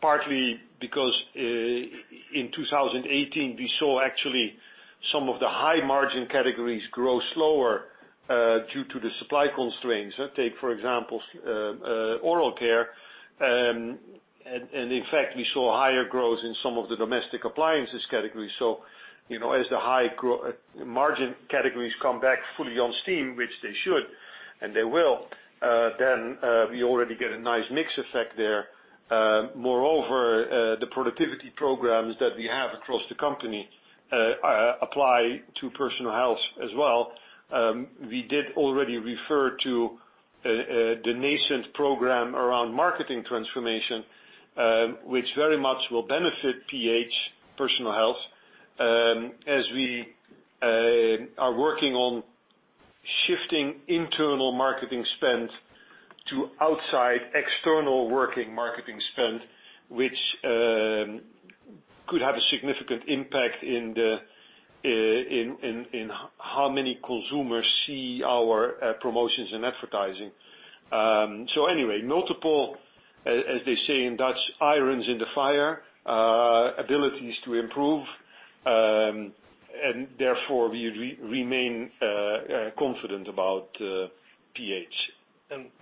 Partly because in 2018, we saw actually some of the high-margin categories grow slower due to the supply constraints. Take, for example, oral care. In fact, we saw higher growth in some of the domestic appliance categories. As the high-margin categories come back fully on steam, which they should, and they will, we already get a nice mix effect there. Moreover, the productivity programs that we have across the company apply to Personal Health as well. We did already refer to the nascent program around marketing transformation, which very much will benefit PH, Personal Health, as we are working on shifting internal marketing spend to outside external working marketing spend, which could have a significant impact in how many consumers see our promotions and advertising. Anyway, multiple, as they say in Dutch, irons in the fire, abilities to improve, and therefore we remain confident about PH.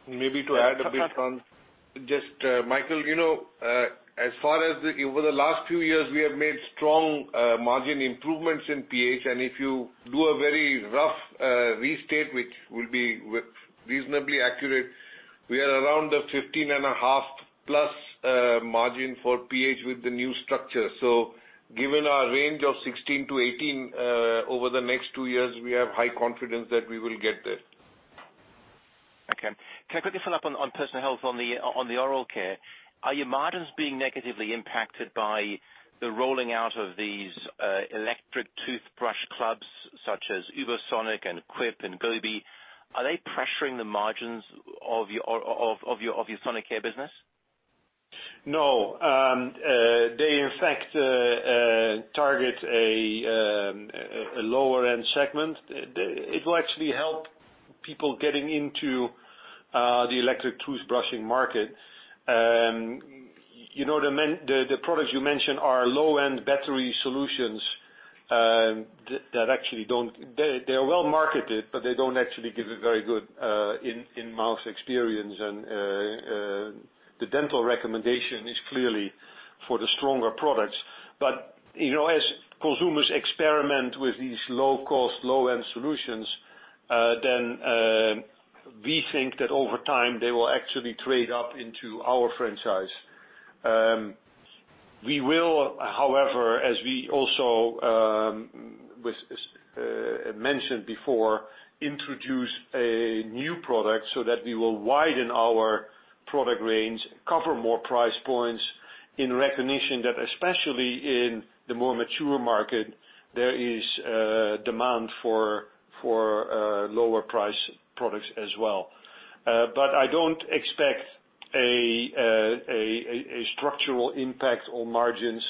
Maybe to add a bit on, just, Michael, over the last few years, we have made strong margin improvements in PH, and if you do a very rough restate, which will be reasonably accurate, we are around the 15.5% plus margin for PH with the new structure. Given our range of 16%-18% over the next two years, we have high confidence that we will get there. Okay. Can I quickly follow up on Personal Health on the oral care? Are your margins being negatively impacted by the rolling out of these electric toothbrush clubs such as Uber Sonic and Quip and Goby? Are they pressuring the margins of your Sonicare business? No. They, in fact, target a lower-end segment. It will actually help people getting into the electric toothbrushing market. The products you mentioned are low-end battery solutions, they are well-marketed, but they don't actually give a very good in-mouth experience, and the dental recommendation is clearly for the stronger products. As consumers experiment with these low-cost, low-end solutions, we think that over time they will actually trade up into our franchise. We will, however, as we also mentioned before, introduce a new product so that we will widen our product range, cover more price points in recognition that especially in the more mature market, there is demand for lower priced products as well. I don't expect a structural impact on margins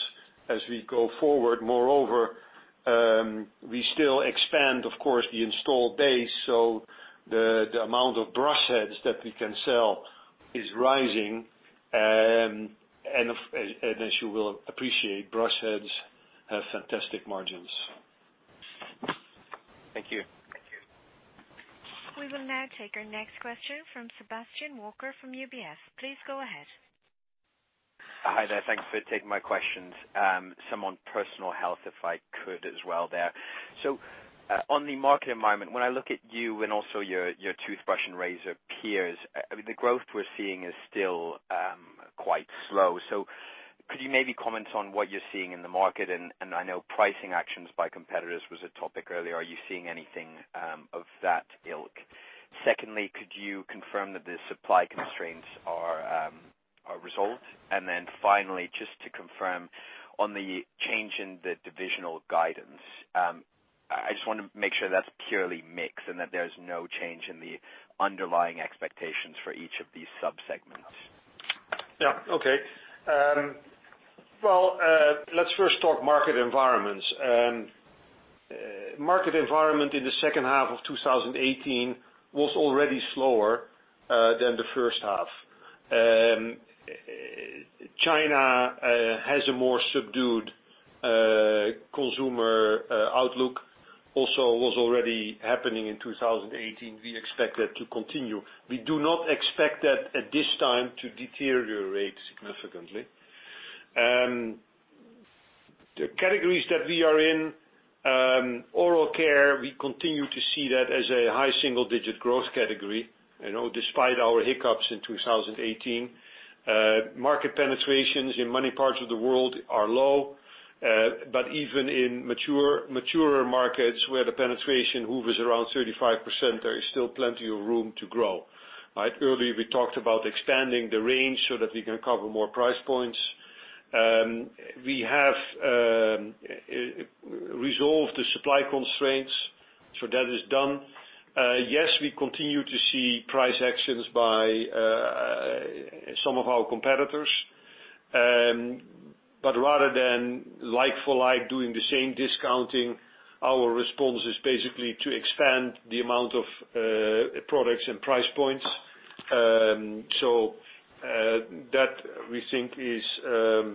as we go forward. Moreover, we still expand, of course, the installed base, the amount of brush heads that we can sell is rising, as you will appreciate, brush heads have fantastic margins. Thank you. We will now take our next question from Sebastian Walker from UBS. Please go ahead. Hi there. Thank you for taking my questions. Some on Personal Health, if I could as well there. On the market environment, when I look at you and also your toothbrush and razor peers, the growth we're seeing is still quite slow. Could you maybe comment on what you're seeing in the market? I know pricing actions by competitors was a topic earlier. Are you seeing anything of that ilk? Secondly, could you confirm that the supply constraints are resolved? Finally, just to confirm on the change in the divisional guidance, I just want to make sure that's purely mix and that there's no change in the underlying expectations for each of these sub-segments. Okay. Let's first talk market environments. Market environment in the second half of 2018 was already slower than the first half. China has a more subdued consumer outlook, also was already happening in 2018. We expect that to continue. We do not expect that at this time to deteriorate significantly. The categories that we are in, oral care, we continue to see that as a high single-digit growth category despite our hiccups in 2018. Market penetrations in many parts of the world are low. Even in maturer markets where the penetration hovers around 35%, there is still plenty of room to grow, right? Earlier we talked about expanding the range so that we can cover more price points. We have resolved the supply constraints, that is done. Yes, we continue to see price actions by some of our competitors. Rather than like for like doing the same discounting, our response is basically to expand the amount of products and price points. That we think is a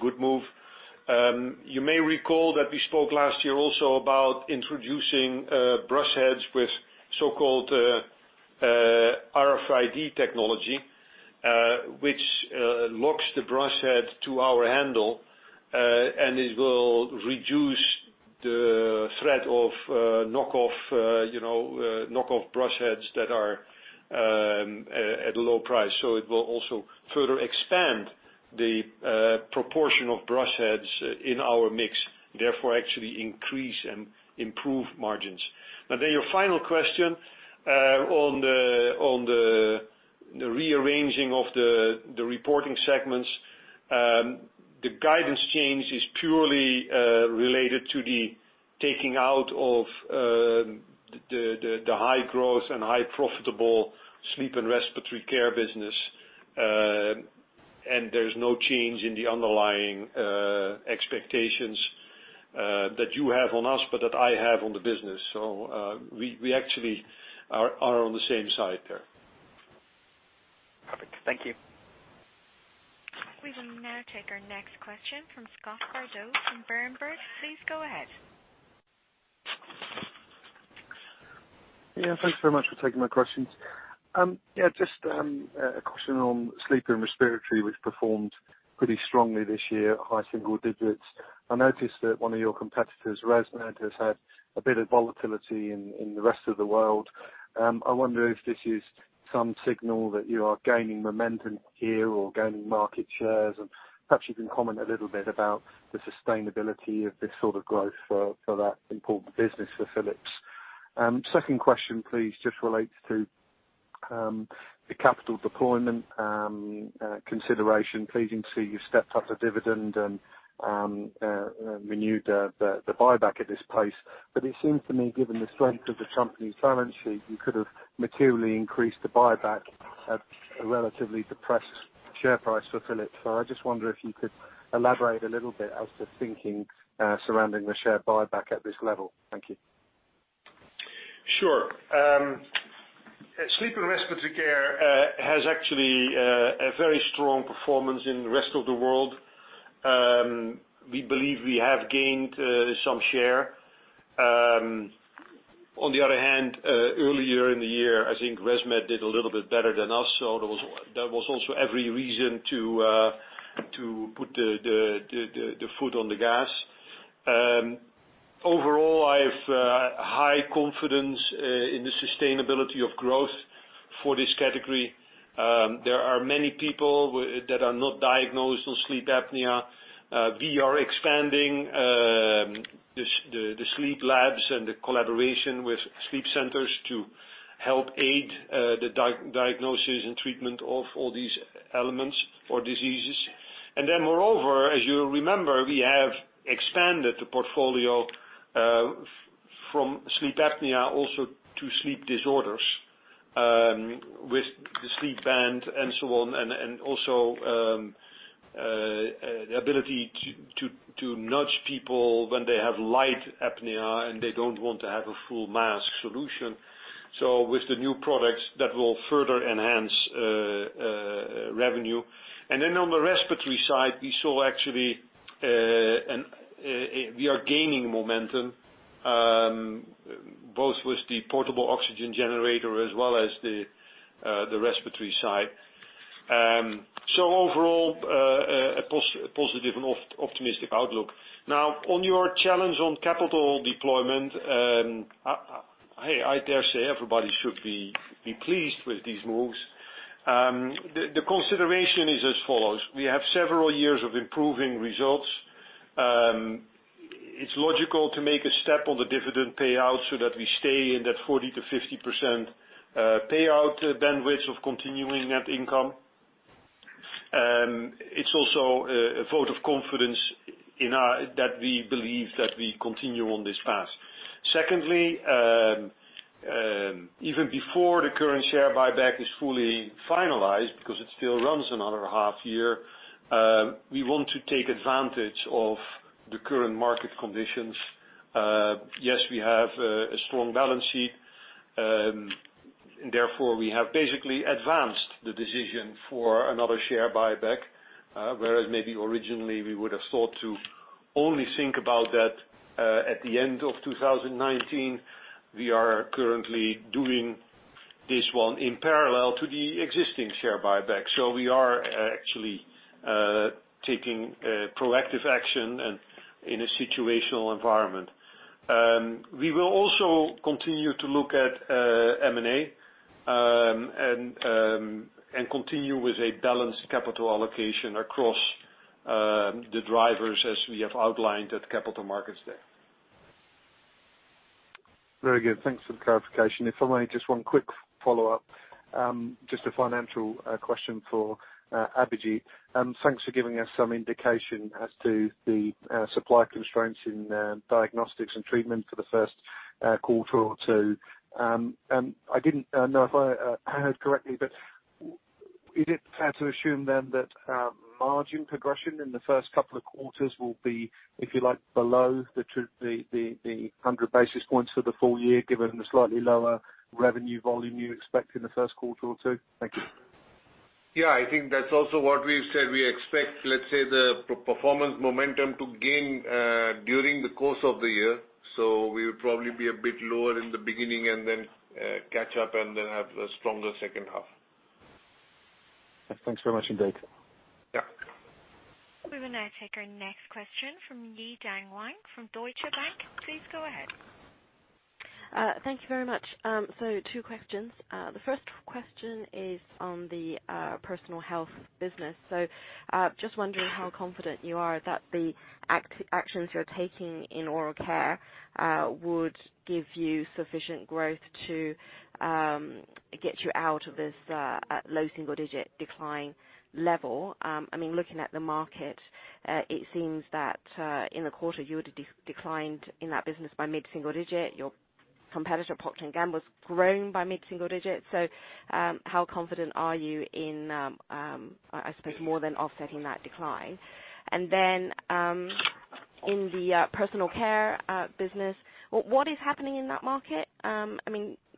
good move. You may recall that we spoke last year also about introducing brush heads with so-called RFID technology, which locks the brush head to our handle, and it will reduce the threat of knockoff brush heads that are at a low price. It will also further expand the proportion of brush heads in our mix, therefore actually increase and improve margins. Your final question on the rearranging of the reporting segments. The guidance change is purely related to the taking out of the high growth and high profitable sleep and respiratory care business. There's no change in the underlying expectations that you have on us, but that I have on the business. We actually are on the same side there. Perfect. Thank you. We will now take our next question from Scott Bardo from Berenberg. Please go ahead. Thanks very much for taking my questions. Just a question on sleep and respiratory, which performed pretty strongly this year, high single digits. I noticed that one of your competitors, ResMed, has had a bit of volatility in the rest of the world. I wonder if this is some signal that you are gaining momentum here or gaining market shares, and perhaps you can comment a little bit about the sustainability of this sort of growth for that important business for Philips. Second question, please, just relates to the capital deployment consideration. Pleasing to see you stepped up the dividend and renewed the buyback at this pace. It seems to me, given the strength of the company's balance sheet, you could have materially increased the buyback at a relatively depressed share price for Philips. I just wonder if you could elaborate a little bit as to thinking surrounding the share buyback at this level. Thank you. Sure. Sleep and Respiratory Care has actually a very strong performance in the rest of the world. We believe we have gained some share. On the other hand, earlier in the year, I think ResMed did a little bit better than us, there was also every reason to put the foot on the gas. Overall, I have high confidence in the sustainability of growth for this category. There are many people that are not diagnosed with sleep apnea. We are expanding the sleep labs and the collaboration with sleep centers to help aid the diagnosis and treatment of all these elements or diseases. Moreover, as you remember, we have expanded the portfolio from sleep apnea also to sleep disorders, with the sleep band and so on, and also the ability to nudge people when they have light apnea and they don't want to have a full mask solution. With the new products, that will further enhance revenue. On the respiratory side, we saw actually we are gaining momentum, both with the portable oxygen generator as well as the respiratory side. Overall, a positive and optimistic outlook. Now, on your challenge on capital deployment, hey, I dare say everybody should be pleased with these moves. The consideration is as follows. We have several years of improving results. It's logical to make a step on the dividend payout so that we stay in that 40%-50% payout bandwidth of continuing net income. It's also a vote of confidence that we believe that we continue on this path. Secondly, even before the current share buyback is fully finalized, because it still runs another half year, we want to take advantage of the current market conditions. Yes, we have a strong balance sheet. Therefore, we have basically advanced the decision for another share buyback. Whereas maybe originally we would have thought to only think about that at the end of 2019. We are currently doing this one in parallel to the existing share buyback. We are actually taking proactive action in a situational environment. We will also continue to look at M&A and continue with a balanced capital allocation across the drivers as we have outlined at Capital Markets Day. Very good. Thanks for the clarification. If I may, just one quick follow-up. Just a financial question for Abhijit. Thanks for giving us some indication as to the supply constraints in diagnostics and treatment for the first quarter or two. I didn't know if I heard correctly, but is it fair to assume then that margin progression in the first couple of quarters will be, if you like, below the 100 basis points for the full year, given the slightly lower revenue volume you expect in the first quarter or two? Thank you. Yeah, I think that's also what we've said. We expect, let's say, the performance momentum to gain during the course of the year. We would probably be a bit lower in the beginning and then catch up and then have a stronger second half. Thanks very much indeed. Yeah. We will now take our next question from Yi-Dan Wang from Deutsche Bank. Please go ahead. Thank you very much. Two questions. The first question is on the Personal Health business. Just wondering how confident you are that the actions you are taking in oral care would give you sufficient growth to get you out of this low single-digit decline level. Looking at the market, it seems that, in the quarter, you would have declined in that business by mid-single digit. Your competitor, Procter & Gamble, has grown by mid-single digit. How confident are you in, I suppose, more than offsetting that decline? In the personal care business, what is happening in that market?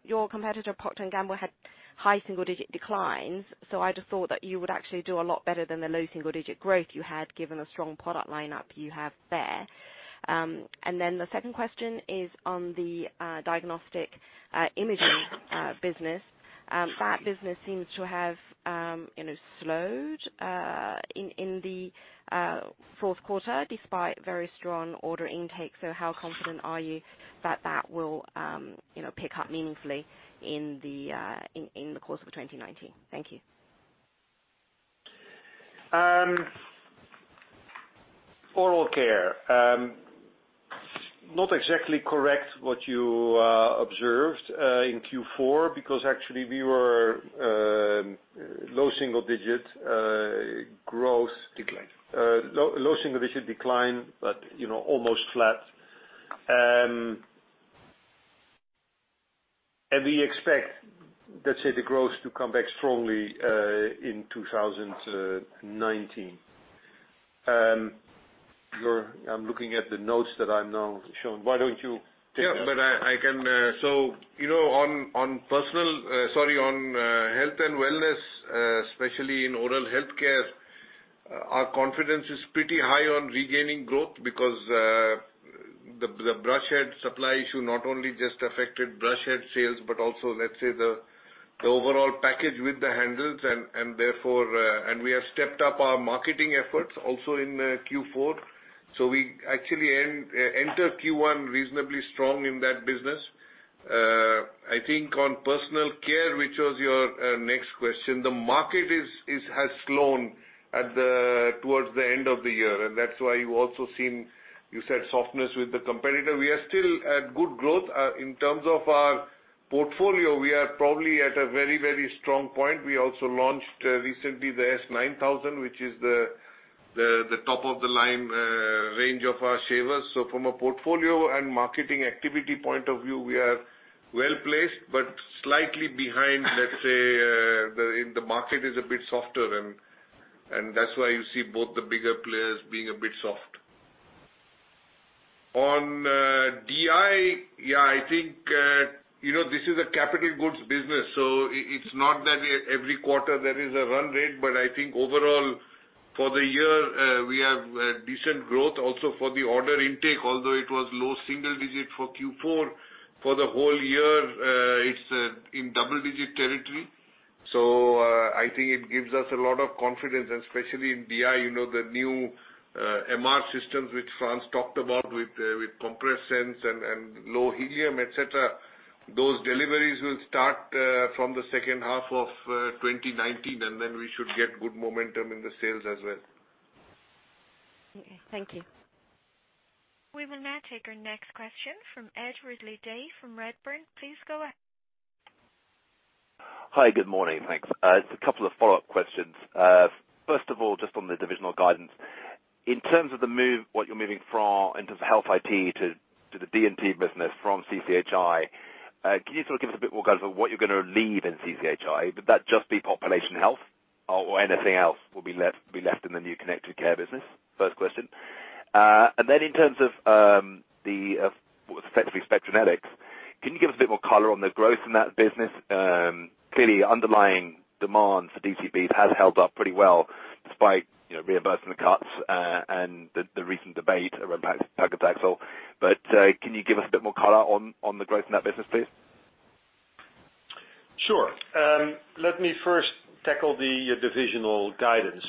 Your competitor, Procter & Gamble, had high single-digit declines, I just thought that you would actually do a lot better than the low single-digit growth you had, given the strong product lineup you have there. The second question is on the diagnostic imaging business. That business seems to have slowed in the fourth quarter, despite very strong order intake. How confident are you that that will pick up meaningfully in the course of 2019? Thank you. Oral care. Not exactly correct what you observed in Q4, because actually we were low single-digit growth. Decline. Low single-digit decline, almost flat. We expect, let's say, the growth to come back strongly in 2019. I'm looking at the notes that I'm now shown. Why don't you take that? On Health and Wellness, especially in Oral Health Care, our confidence is pretty high on regaining growth, because the brush head supply issue not only just affected brush head sales but also, let's say, the overall package with the handles. We have stepped up our marketing efforts also in Q4. We actually enter Q1 reasonably strong in that business. I think on personal care, which was your next question, the market has slowed towards the end of the year, and that's why you also seen, you said softness with the competitor. We are still at good growth. In terms of our portfolio, we are probably at a very, very strong point. We also launched recently the S9000, which is the top-of-the-line range of our shavers. From a portfolio and marketing activity point of view, we are well-placed, but slightly behind, let's say, the market is a bit softer, and that's why you see both the bigger players being a bit soft. On DI, I think this is a capital goods business, so it's not that every quarter there is a run rate. But I think overall, for the year, we have decent growth also for the order intake. Although it was low single-digit for Q4, for the whole year, it's in double-digit territory. I think it gives us a lot of confidence, and especially in DI, the new MR systems which Frans talked about with Compressed SENSE and low helium, et cetera. Those deliveries will start from the second half of 2019, and then we should get good momentum in the sales as well. Thank you. We will now take our next question from Ed Ridley-Day from Redburn. Please go ahead. Hi. Good morning. Thanks. Just a couple of follow-up questions. First of all, on the divisional guidance. In terms of what you're moving from into the Health IT to the D&T business from CCHI, can you give us a bit more guidance on what you're going to leave in CCHI? Would that just be population health, or anything else will be left in the new Connected Care business? First question. In terms of what is effectively Spectranetics, can you give us a bit more color on the growth in that business? Clearly, underlying demand for DCB has held up pretty well despite reimbursement cuts and the recent debate around paclitaxel. Can you give us a bit more color on the growth in that business, please? Sure. Let me first tackle the divisional guidance.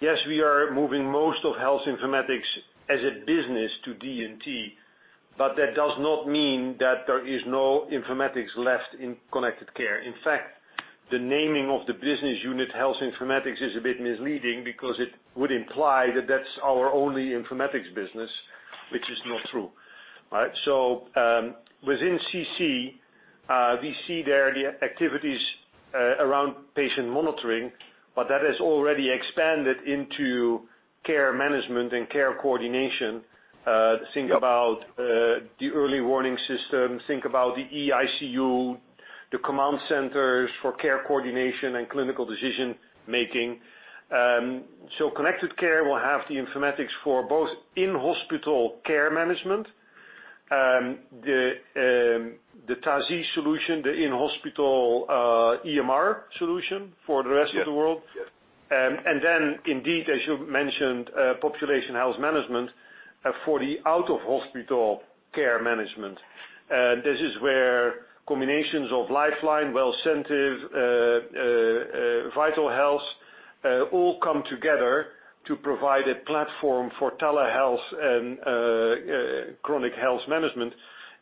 Yes, we are moving most of Health Informatics as a business to D&T, but that does not mean that there is no informatics left in Connected Care. In fact, the naming of the business unit, Health Informatics, is a bit misleading because it would imply that that's our only informatics business, which is not true, right? Within CC, we see there the activities around patient monitoring, but that has already expanded into care management and care coordination. Think about the early warning system. Think about the eICU, the command centers for care coordination and clinical decision-making. Connected Care will have the informatics for both in-hospital care management, the Tasy solution, the in-hospital EMR solution for the rest of the world. Yes. Indeed, as you mentioned, population health management for the out-of-hospital care management. This is where combinations of Lifeline, Wellcentive, VitalHealth all come together to provide a platform for telehealth and chronic health management.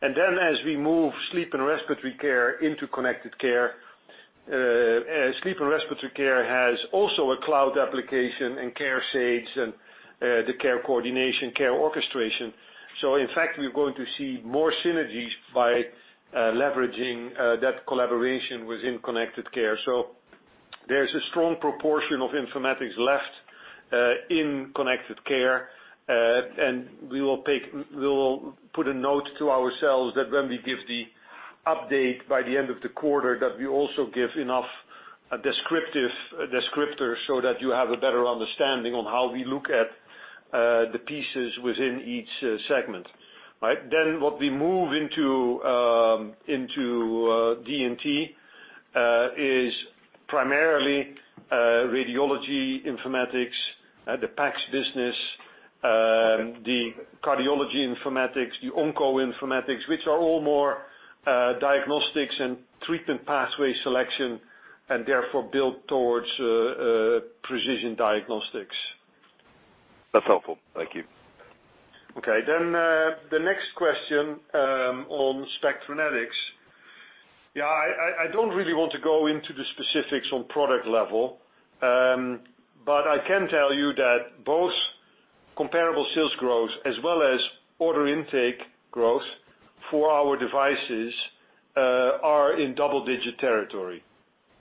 As we move Sleep and Respiratory Care into Connected Care, Sleep and Respiratory Care has also a cloud application in CareSage and the care coordination, care orchestration. In fact, we're going to see more synergies by leveraging that collaboration within Connected Care. There's a strong proportion of informatics left in Connected Care. We will put a note to ourselves that when we give the update by the end of the quarter, that we also give enough descriptors so that you have a better understanding on how we look at the pieces within each segment. Right? What we move into D&T is primarily radiology informatics, the PACS business, the cardiology informatics, the onco informatics. Which are all more diagnostics and treatment pathway selection and therefore built towards precision diagnostics. That's helpful. Thank you. Okay. The next question on Spectranetics. I don't really want to go into the specifics on product level. I can tell you that both comparable sales growth as well as order intake growth for our devices are in double digit territory,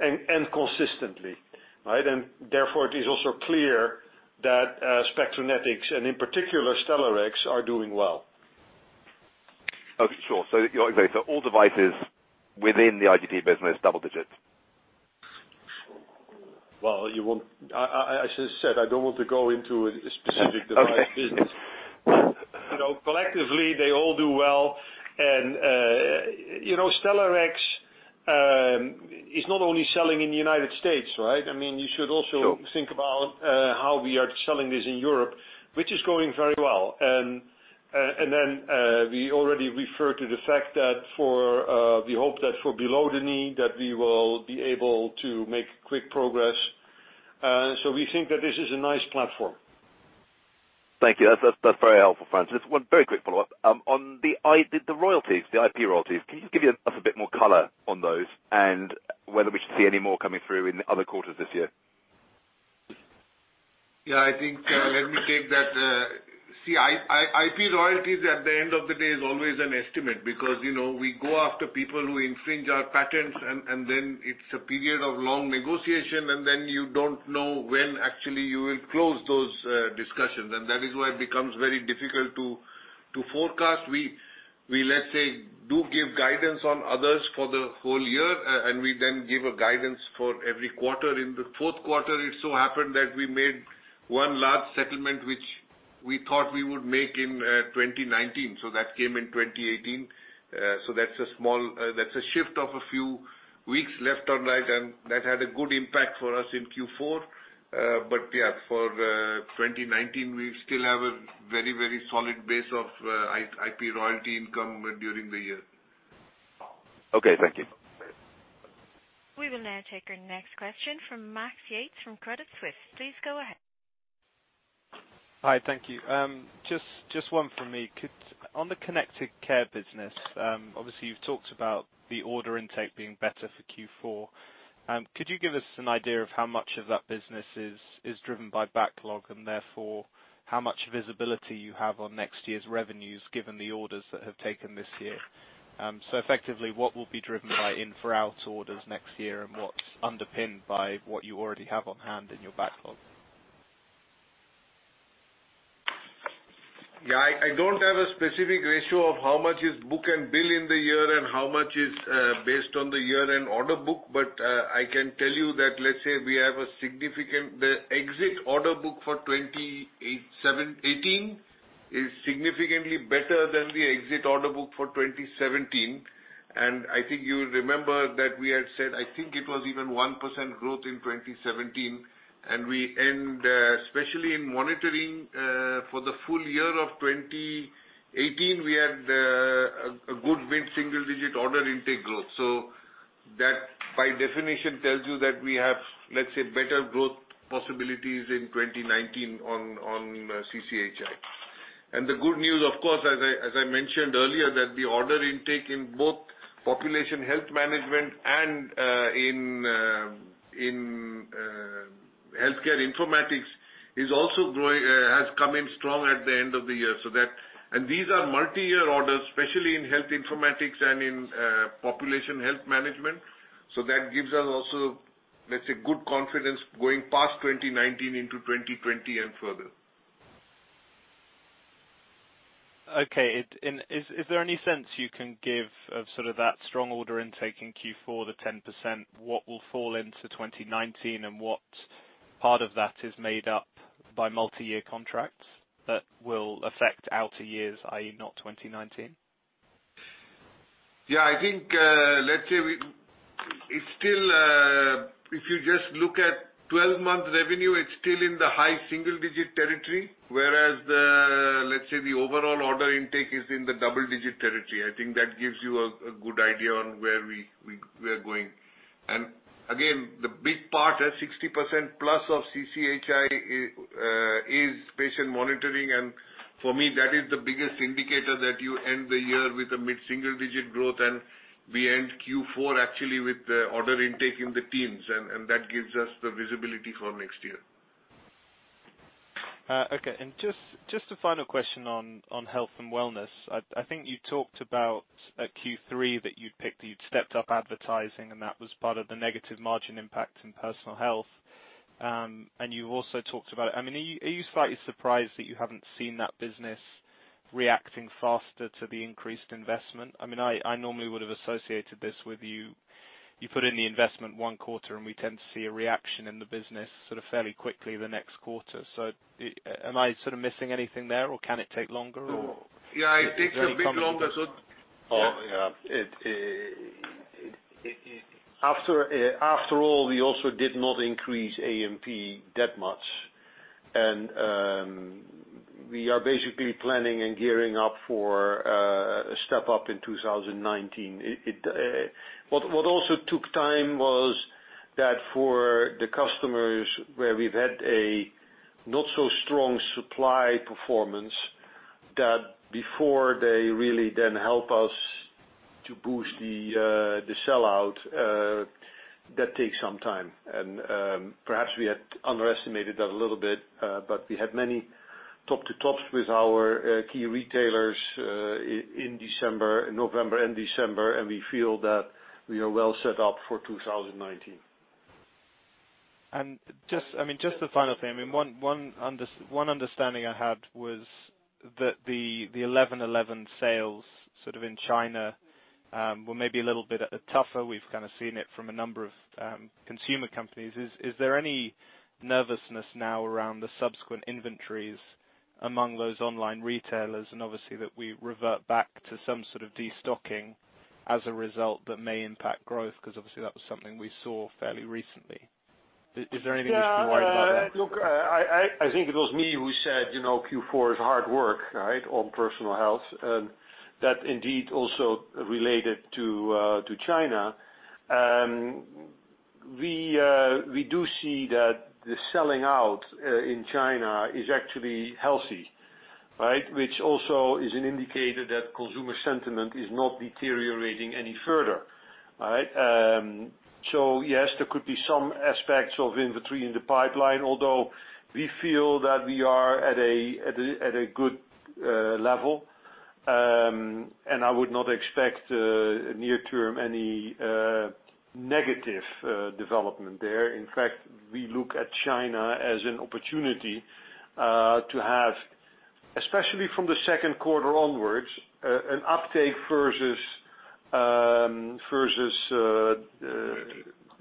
consistently. Right? Therefore, it is also clear that Spectranetics, and in particular Stellarex, are doing well. Okay, sure. All devices within the IGT business, double digits? Well, as I said, I don't want to go into a specific device business. Okay. Collectively they all do well. Stellarex is not only selling in the U.S., right? Sure You think about how we are selling this in Europe, which is going very well. We already referred to the fact that we hope that for below the knee, that we will be able to make quick progress. We think that this is a nice platform. Thank you. That's very helpful, Frans. Just one very quick follow-up. On the IP royalties, can you just give us a bit more color on those and whether we should see any more coming through in the other quarters this year? Yeah, I think, let me take that. See, IP royalties at the end of the day is always an estimate because we go after people who infringe our patents, it's a period of long negotiation, and you don't know when actually you will close those discussions. That is why it becomes very difficult to forecast. We, let's say, do give guidance on others for the whole year, we then give a guidance for every quarter. In the fourth quarter, it so happened that we made one large settlement, which we thought we would make in 2019. That came in 2018. That's a shift of a few weeks left or right, and that had a good impact for us in Q4. Yeah, for 2019, we still have a very solid base of IP royalty income during the year. Okay, thank you. We will now take our next question from Max Yates from Credit Suisse. Please go ahead. Hi, thank you. Just one from me. On the Connected Care business, obviously you've talked about the order intake being better for Q4. Could you give us an idea of how much of that business is driven by backlog, and therefore, how much visibility you have on next year's revenues given the orders that have taken this year? Effectively, what will be driven by in for out orders next year and what's underpinned by what you already have on hand in your backlog? Yeah, I don't have a specific ratio of how much is book and bill in the year and how much is based on the year-end order book. I can tell you that, the exit order book for 2018 is significantly better than the exit order book for 2017. I think you remember that we had said, I think it was even 1% growth in 2017. Especially in monitoring, for the full year of 2018, we had a good mid-single digit order intake growth. That, by definition, tells you that we have, let's say, better growth possibilities in 2019 on CCHI. The good news, of course, as I mentioned earlier, that the order intake in both population health management and in healthcare informatics has come in strong at the end of the year. These are multi-year orders, especially in health informatics and in population health management. That gives us also, let's say, good confidence going past 2019 into 2020 and further. Okay. Is there any sense you can give of sort of that strong order intake in Q4, the 10%? What will fall into 2019, and what part of that is made up by multi-year contracts that will affect outer years, i.e. not 2019? Yeah, I think, if you just look at 12-month revenue, it's still in the high single digit territory, whereas the overall order intake is in the double digit territory. I think that gives you a good idea on where we are going. The big part is 60% plus of CCHI is patient monitoring. For me, that is the biggest indicator that you end the year with a mid single digit growth, and we end Q4 actually with the order intake in the teens. That gives us the visibility for next year. Okay. Just a final question on Health and Wellness. I think you talked about at Q3 that you'd picked, you'd stepped up advertising, and that was part of the negative margin impact in Personal Health. You also talked about. Are you slightly surprised that you haven't seen that business reacting faster to the increased investment? I normally would have associated this with you put in the investment one quarter, and we tend to see a reaction in the business sort of fairly quickly the next quarter. Am I sort of missing anything there? Or can it take longer? Yeah, it takes a bit longer. After all, we also did not increase A&P that much. We are basically planning and gearing up for a step up in 2019. What also took time was that for the customers where we've had a not so strong supply performance, that before they really then help us to boost the sellout, that takes some time. Perhaps we had underestimated that a little bit, but we had many top to tops with our key retailers, in November and December, and we feel that we are well set up for 2019. Just a final thing. One understanding I had was that the 11-11 sales sort of in China were maybe a little bit tougher. We've kind of seen it from a number of consumer companies. Is there any nervousness now around the subsequent inventories among those online retailers, and obviously, that we revert back to some sort of destocking as a result that may impact growth, because obviously that was something we saw fairly recently. Is there anything we should be worried about there? Look, I think it was me who said, Q4 is hard work, right? On Personal Health. That indeed also related to China. We do see that the selling out in China is actually healthy. Which also is an indicator that consumer sentiment is not deteriorating any further. Yes, there could be some aspects of inventory in the pipeline, although we feel that we are at a good level. I would not expect, near term, any negative development there. In fact, we look at China as an opportunity to have, especially from the second quarter onwards and uptake versus. 18.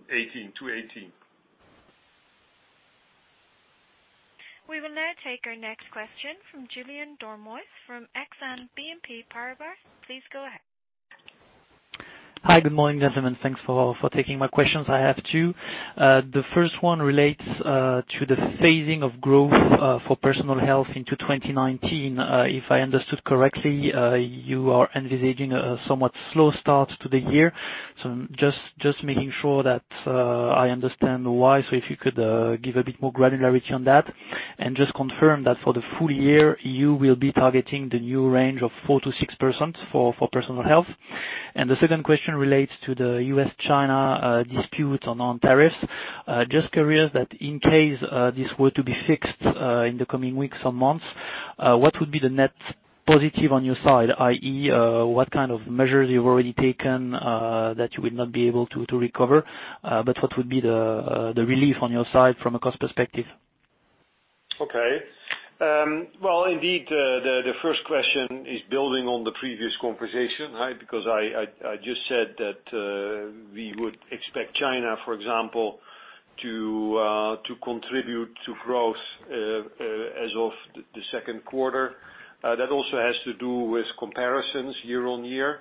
18. 2018. We will now take our next question from Julien Dormois from Exane BNP Paribas. Please go ahead. Hi. Good morning, gentlemen. Thanks for taking my questions. I have two. The first one relates to the phasing of growth, for Personal Health into 2019. If I understood correctly, you are envisaging a somewhat slow start to the year. Just making sure that I understand why. If you could give a bit more granularity on that. Just confirm that for the full year, you will be targeting the new range of 4%-6% for Personal Health. The second question relates to the U.S.-China dispute on tariffs. Just curious that in case this were to be fixed in the coming weeks or months, what would be the net positive on your side, i.e., what kind of measures you've already taken that you would not be able to recover? What would be the relief on your side from a cost perspective? Okay. Well, indeed, the first question is building on the previous conversation. I just said that, we would expect China, for example, to contribute to growth as of the second quarter. That also has to do with comparisons year-on-year.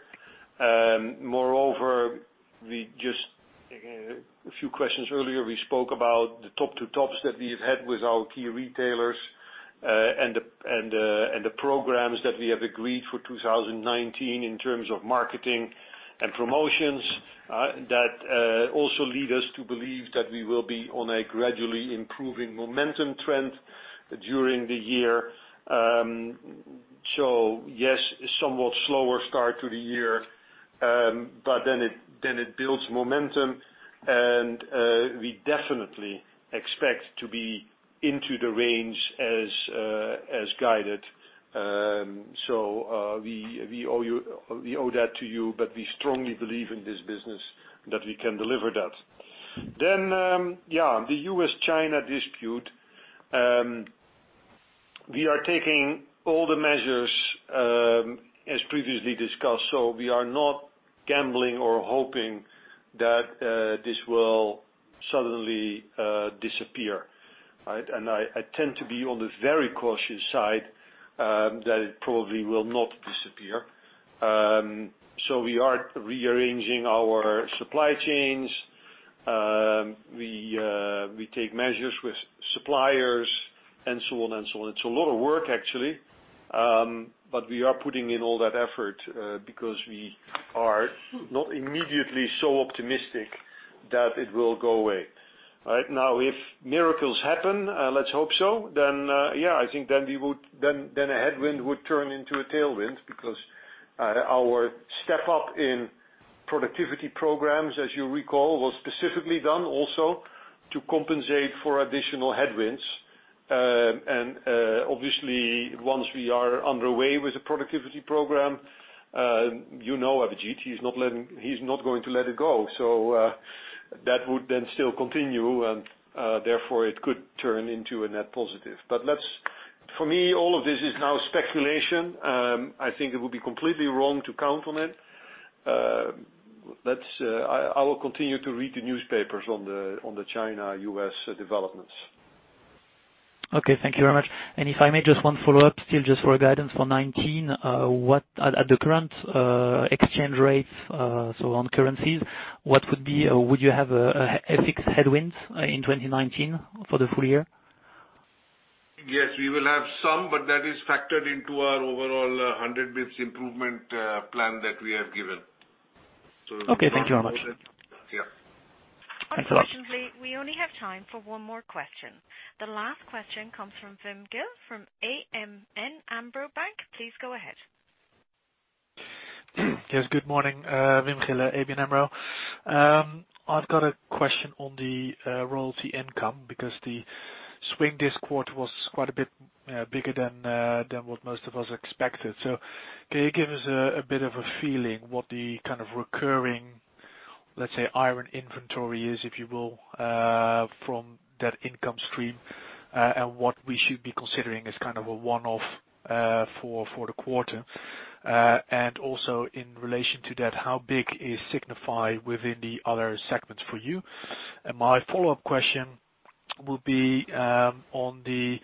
Moreover, a few questions earlier, we spoke about the Top-to Tops that we've had with our key retailers, and the programs that we have agreed for 2019 in terms of marketing and promotions, that also lead us to believe that we will be on a gradually improving momentum trend during the year. Yes, a somewhat slower start to the year, it builds momentum and we definitely expect to be into the range as guided. We owe that to you, we strongly believe in this business that we can deliver that. The U.S.-China dispute. We are taking all the measures, as previously discussed. We are not gambling or hoping that this will suddenly disappear. I tend to be on the very cautious side, that it probably will not disappear. We are rearranging our supply chains. We take measures with suppliers and so on. It's a lot of work actually. We are putting in all that effort, because we are not immediately so optimistic that it will go away. If miracles happen, let's hope so, I think a headwind would turn into a tailwind because our step up in productivity programs, as you recall, was specifically done also to compensate for additional headwinds. Obviously, once we are underway with the productivity program, you know Abhijit, he's not going to let it go. That would still continue and, therefore, it could turn into a net positive. For me, all of this is now speculation. I think it would be completely wrong to count on it. I will continue to read the newspapers on the China U.S. developments. Okay. Thank you very much. If I may, just one follow-up, still just for a guidance for 2019. At the current exchange rates, on currencies, would you have a fixed headwinds in 2019 for the full year? Yes, we will have some, that is factored into our overall 100 basis points improvement plan that we have given. Okay. Thank you very much. Yeah. Thanks a lot. Unfortunately, we only have time for one more question. The last question comes from Wim Gille from ABN AMRO Bank. Please go ahead. Yes, good morning. Wim Gille, ABN AMRO. I've got a question on the royalty income because the swing this quarter was quite a bit bigger than what most of us expected. Can you give us a bit of a feeling what the kind of recurring, let's say, iron inventory is, if you will, from that income stream, and what we should be considering as kind of a one-off for the quarter. Also in relation to that, how big is Signify within the other segments for you? My follow-up question will be, on the,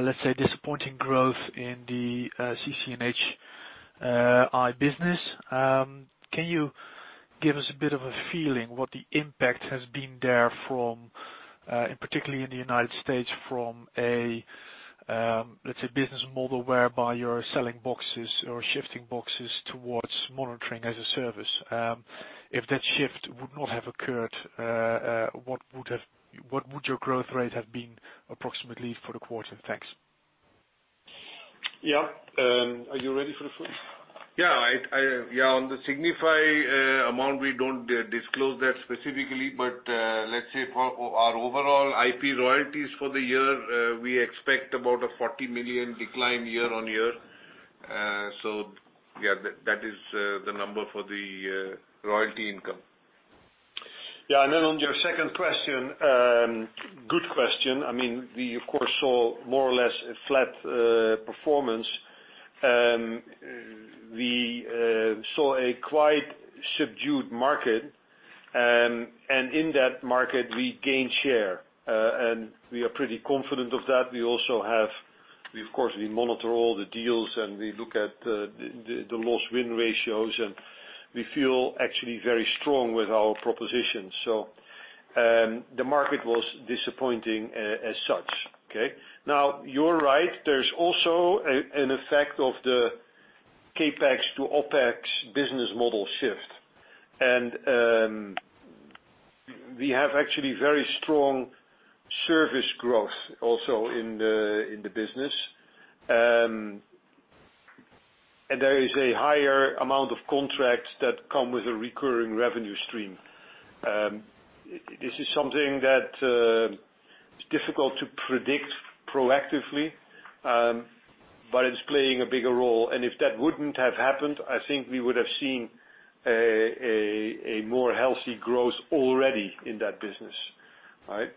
let's say, disappointing growth in the CCHI business. Can you give us a bit of a feeling what the impact has been there, particularly in the U.S., from a, let's say, business model whereby you're selling boxes or shifting boxes towards monitoring as a service? If that shift would not have occurred, what would your growth rate have been approximately for the quarter? Thanks. Yeah. Are you ready for the first? Yeah, on the Signify amount, we don't disclose that specifically. Let's say for our overall IP royalties for the year, we expect about a 40 million decline year-on-year. Yeah, that is the number for the royalty income. Yeah. Then on your second question. Good question. We, of course, saw more or less a flat performance. We saw a quite subdued market. In that market, we gained share, and we are pretty confident of that. We, of course, we monitor all the deals, and we look at the loss-win ratios, and we feel actually very strong with our propositions. The market was disappointing as such. Okay? Now, you're right, there's also an effect of the CapEx to OpEx business model shift. We have actually very strong service growth also in the business. There is a higher amount of contracts that come with a recurring revenue stream. This is something that is difficult to predict proactively, but it's playing a bigger role. If that wouldn't have happened, I think we would have seen a more healthy growth already in that business. Right?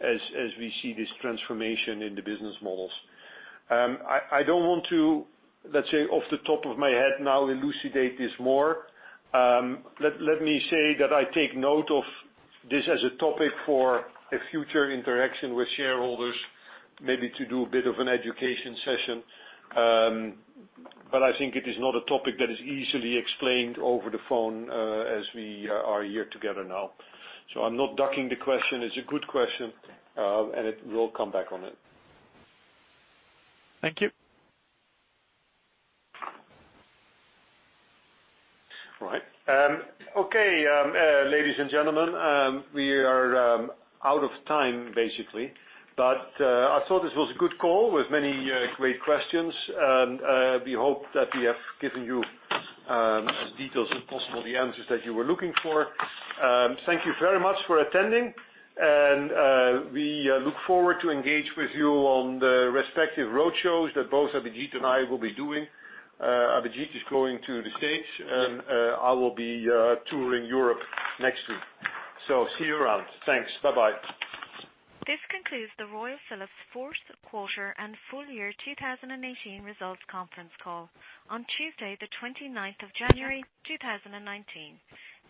As we see this transformation in the business models. I don't want to, let's say, off the top of my head now elucidate this more. Let me say that I take note of this as a topic for a future interaction with shareholders, maybe to do a bit of an education session. I think it is not a topic that is easily explained over the phone as we are here together now. I'm not ducking the question. It's a good question. We'll come back on it. Thank you. Right. Okay, ladies and gentlemen, we are out of time basically. I thought this was a good call with many great questions. We hope that we have given you as detailed as possible, the answers that you were looking for. Thank you very much for attending. We look forward to engage with you on the respective road shows that both Abhijit and I will be doing. Abhijit is going to the U.S. I will be touring Europe next week. See you around. Thanks. Bye-bye. This concludes the Royal Philips fourth quarter and full year 2018 results conference call on Tuesday the 29th of January, 2019.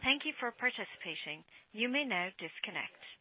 Thank you for participating. You may now disconnect.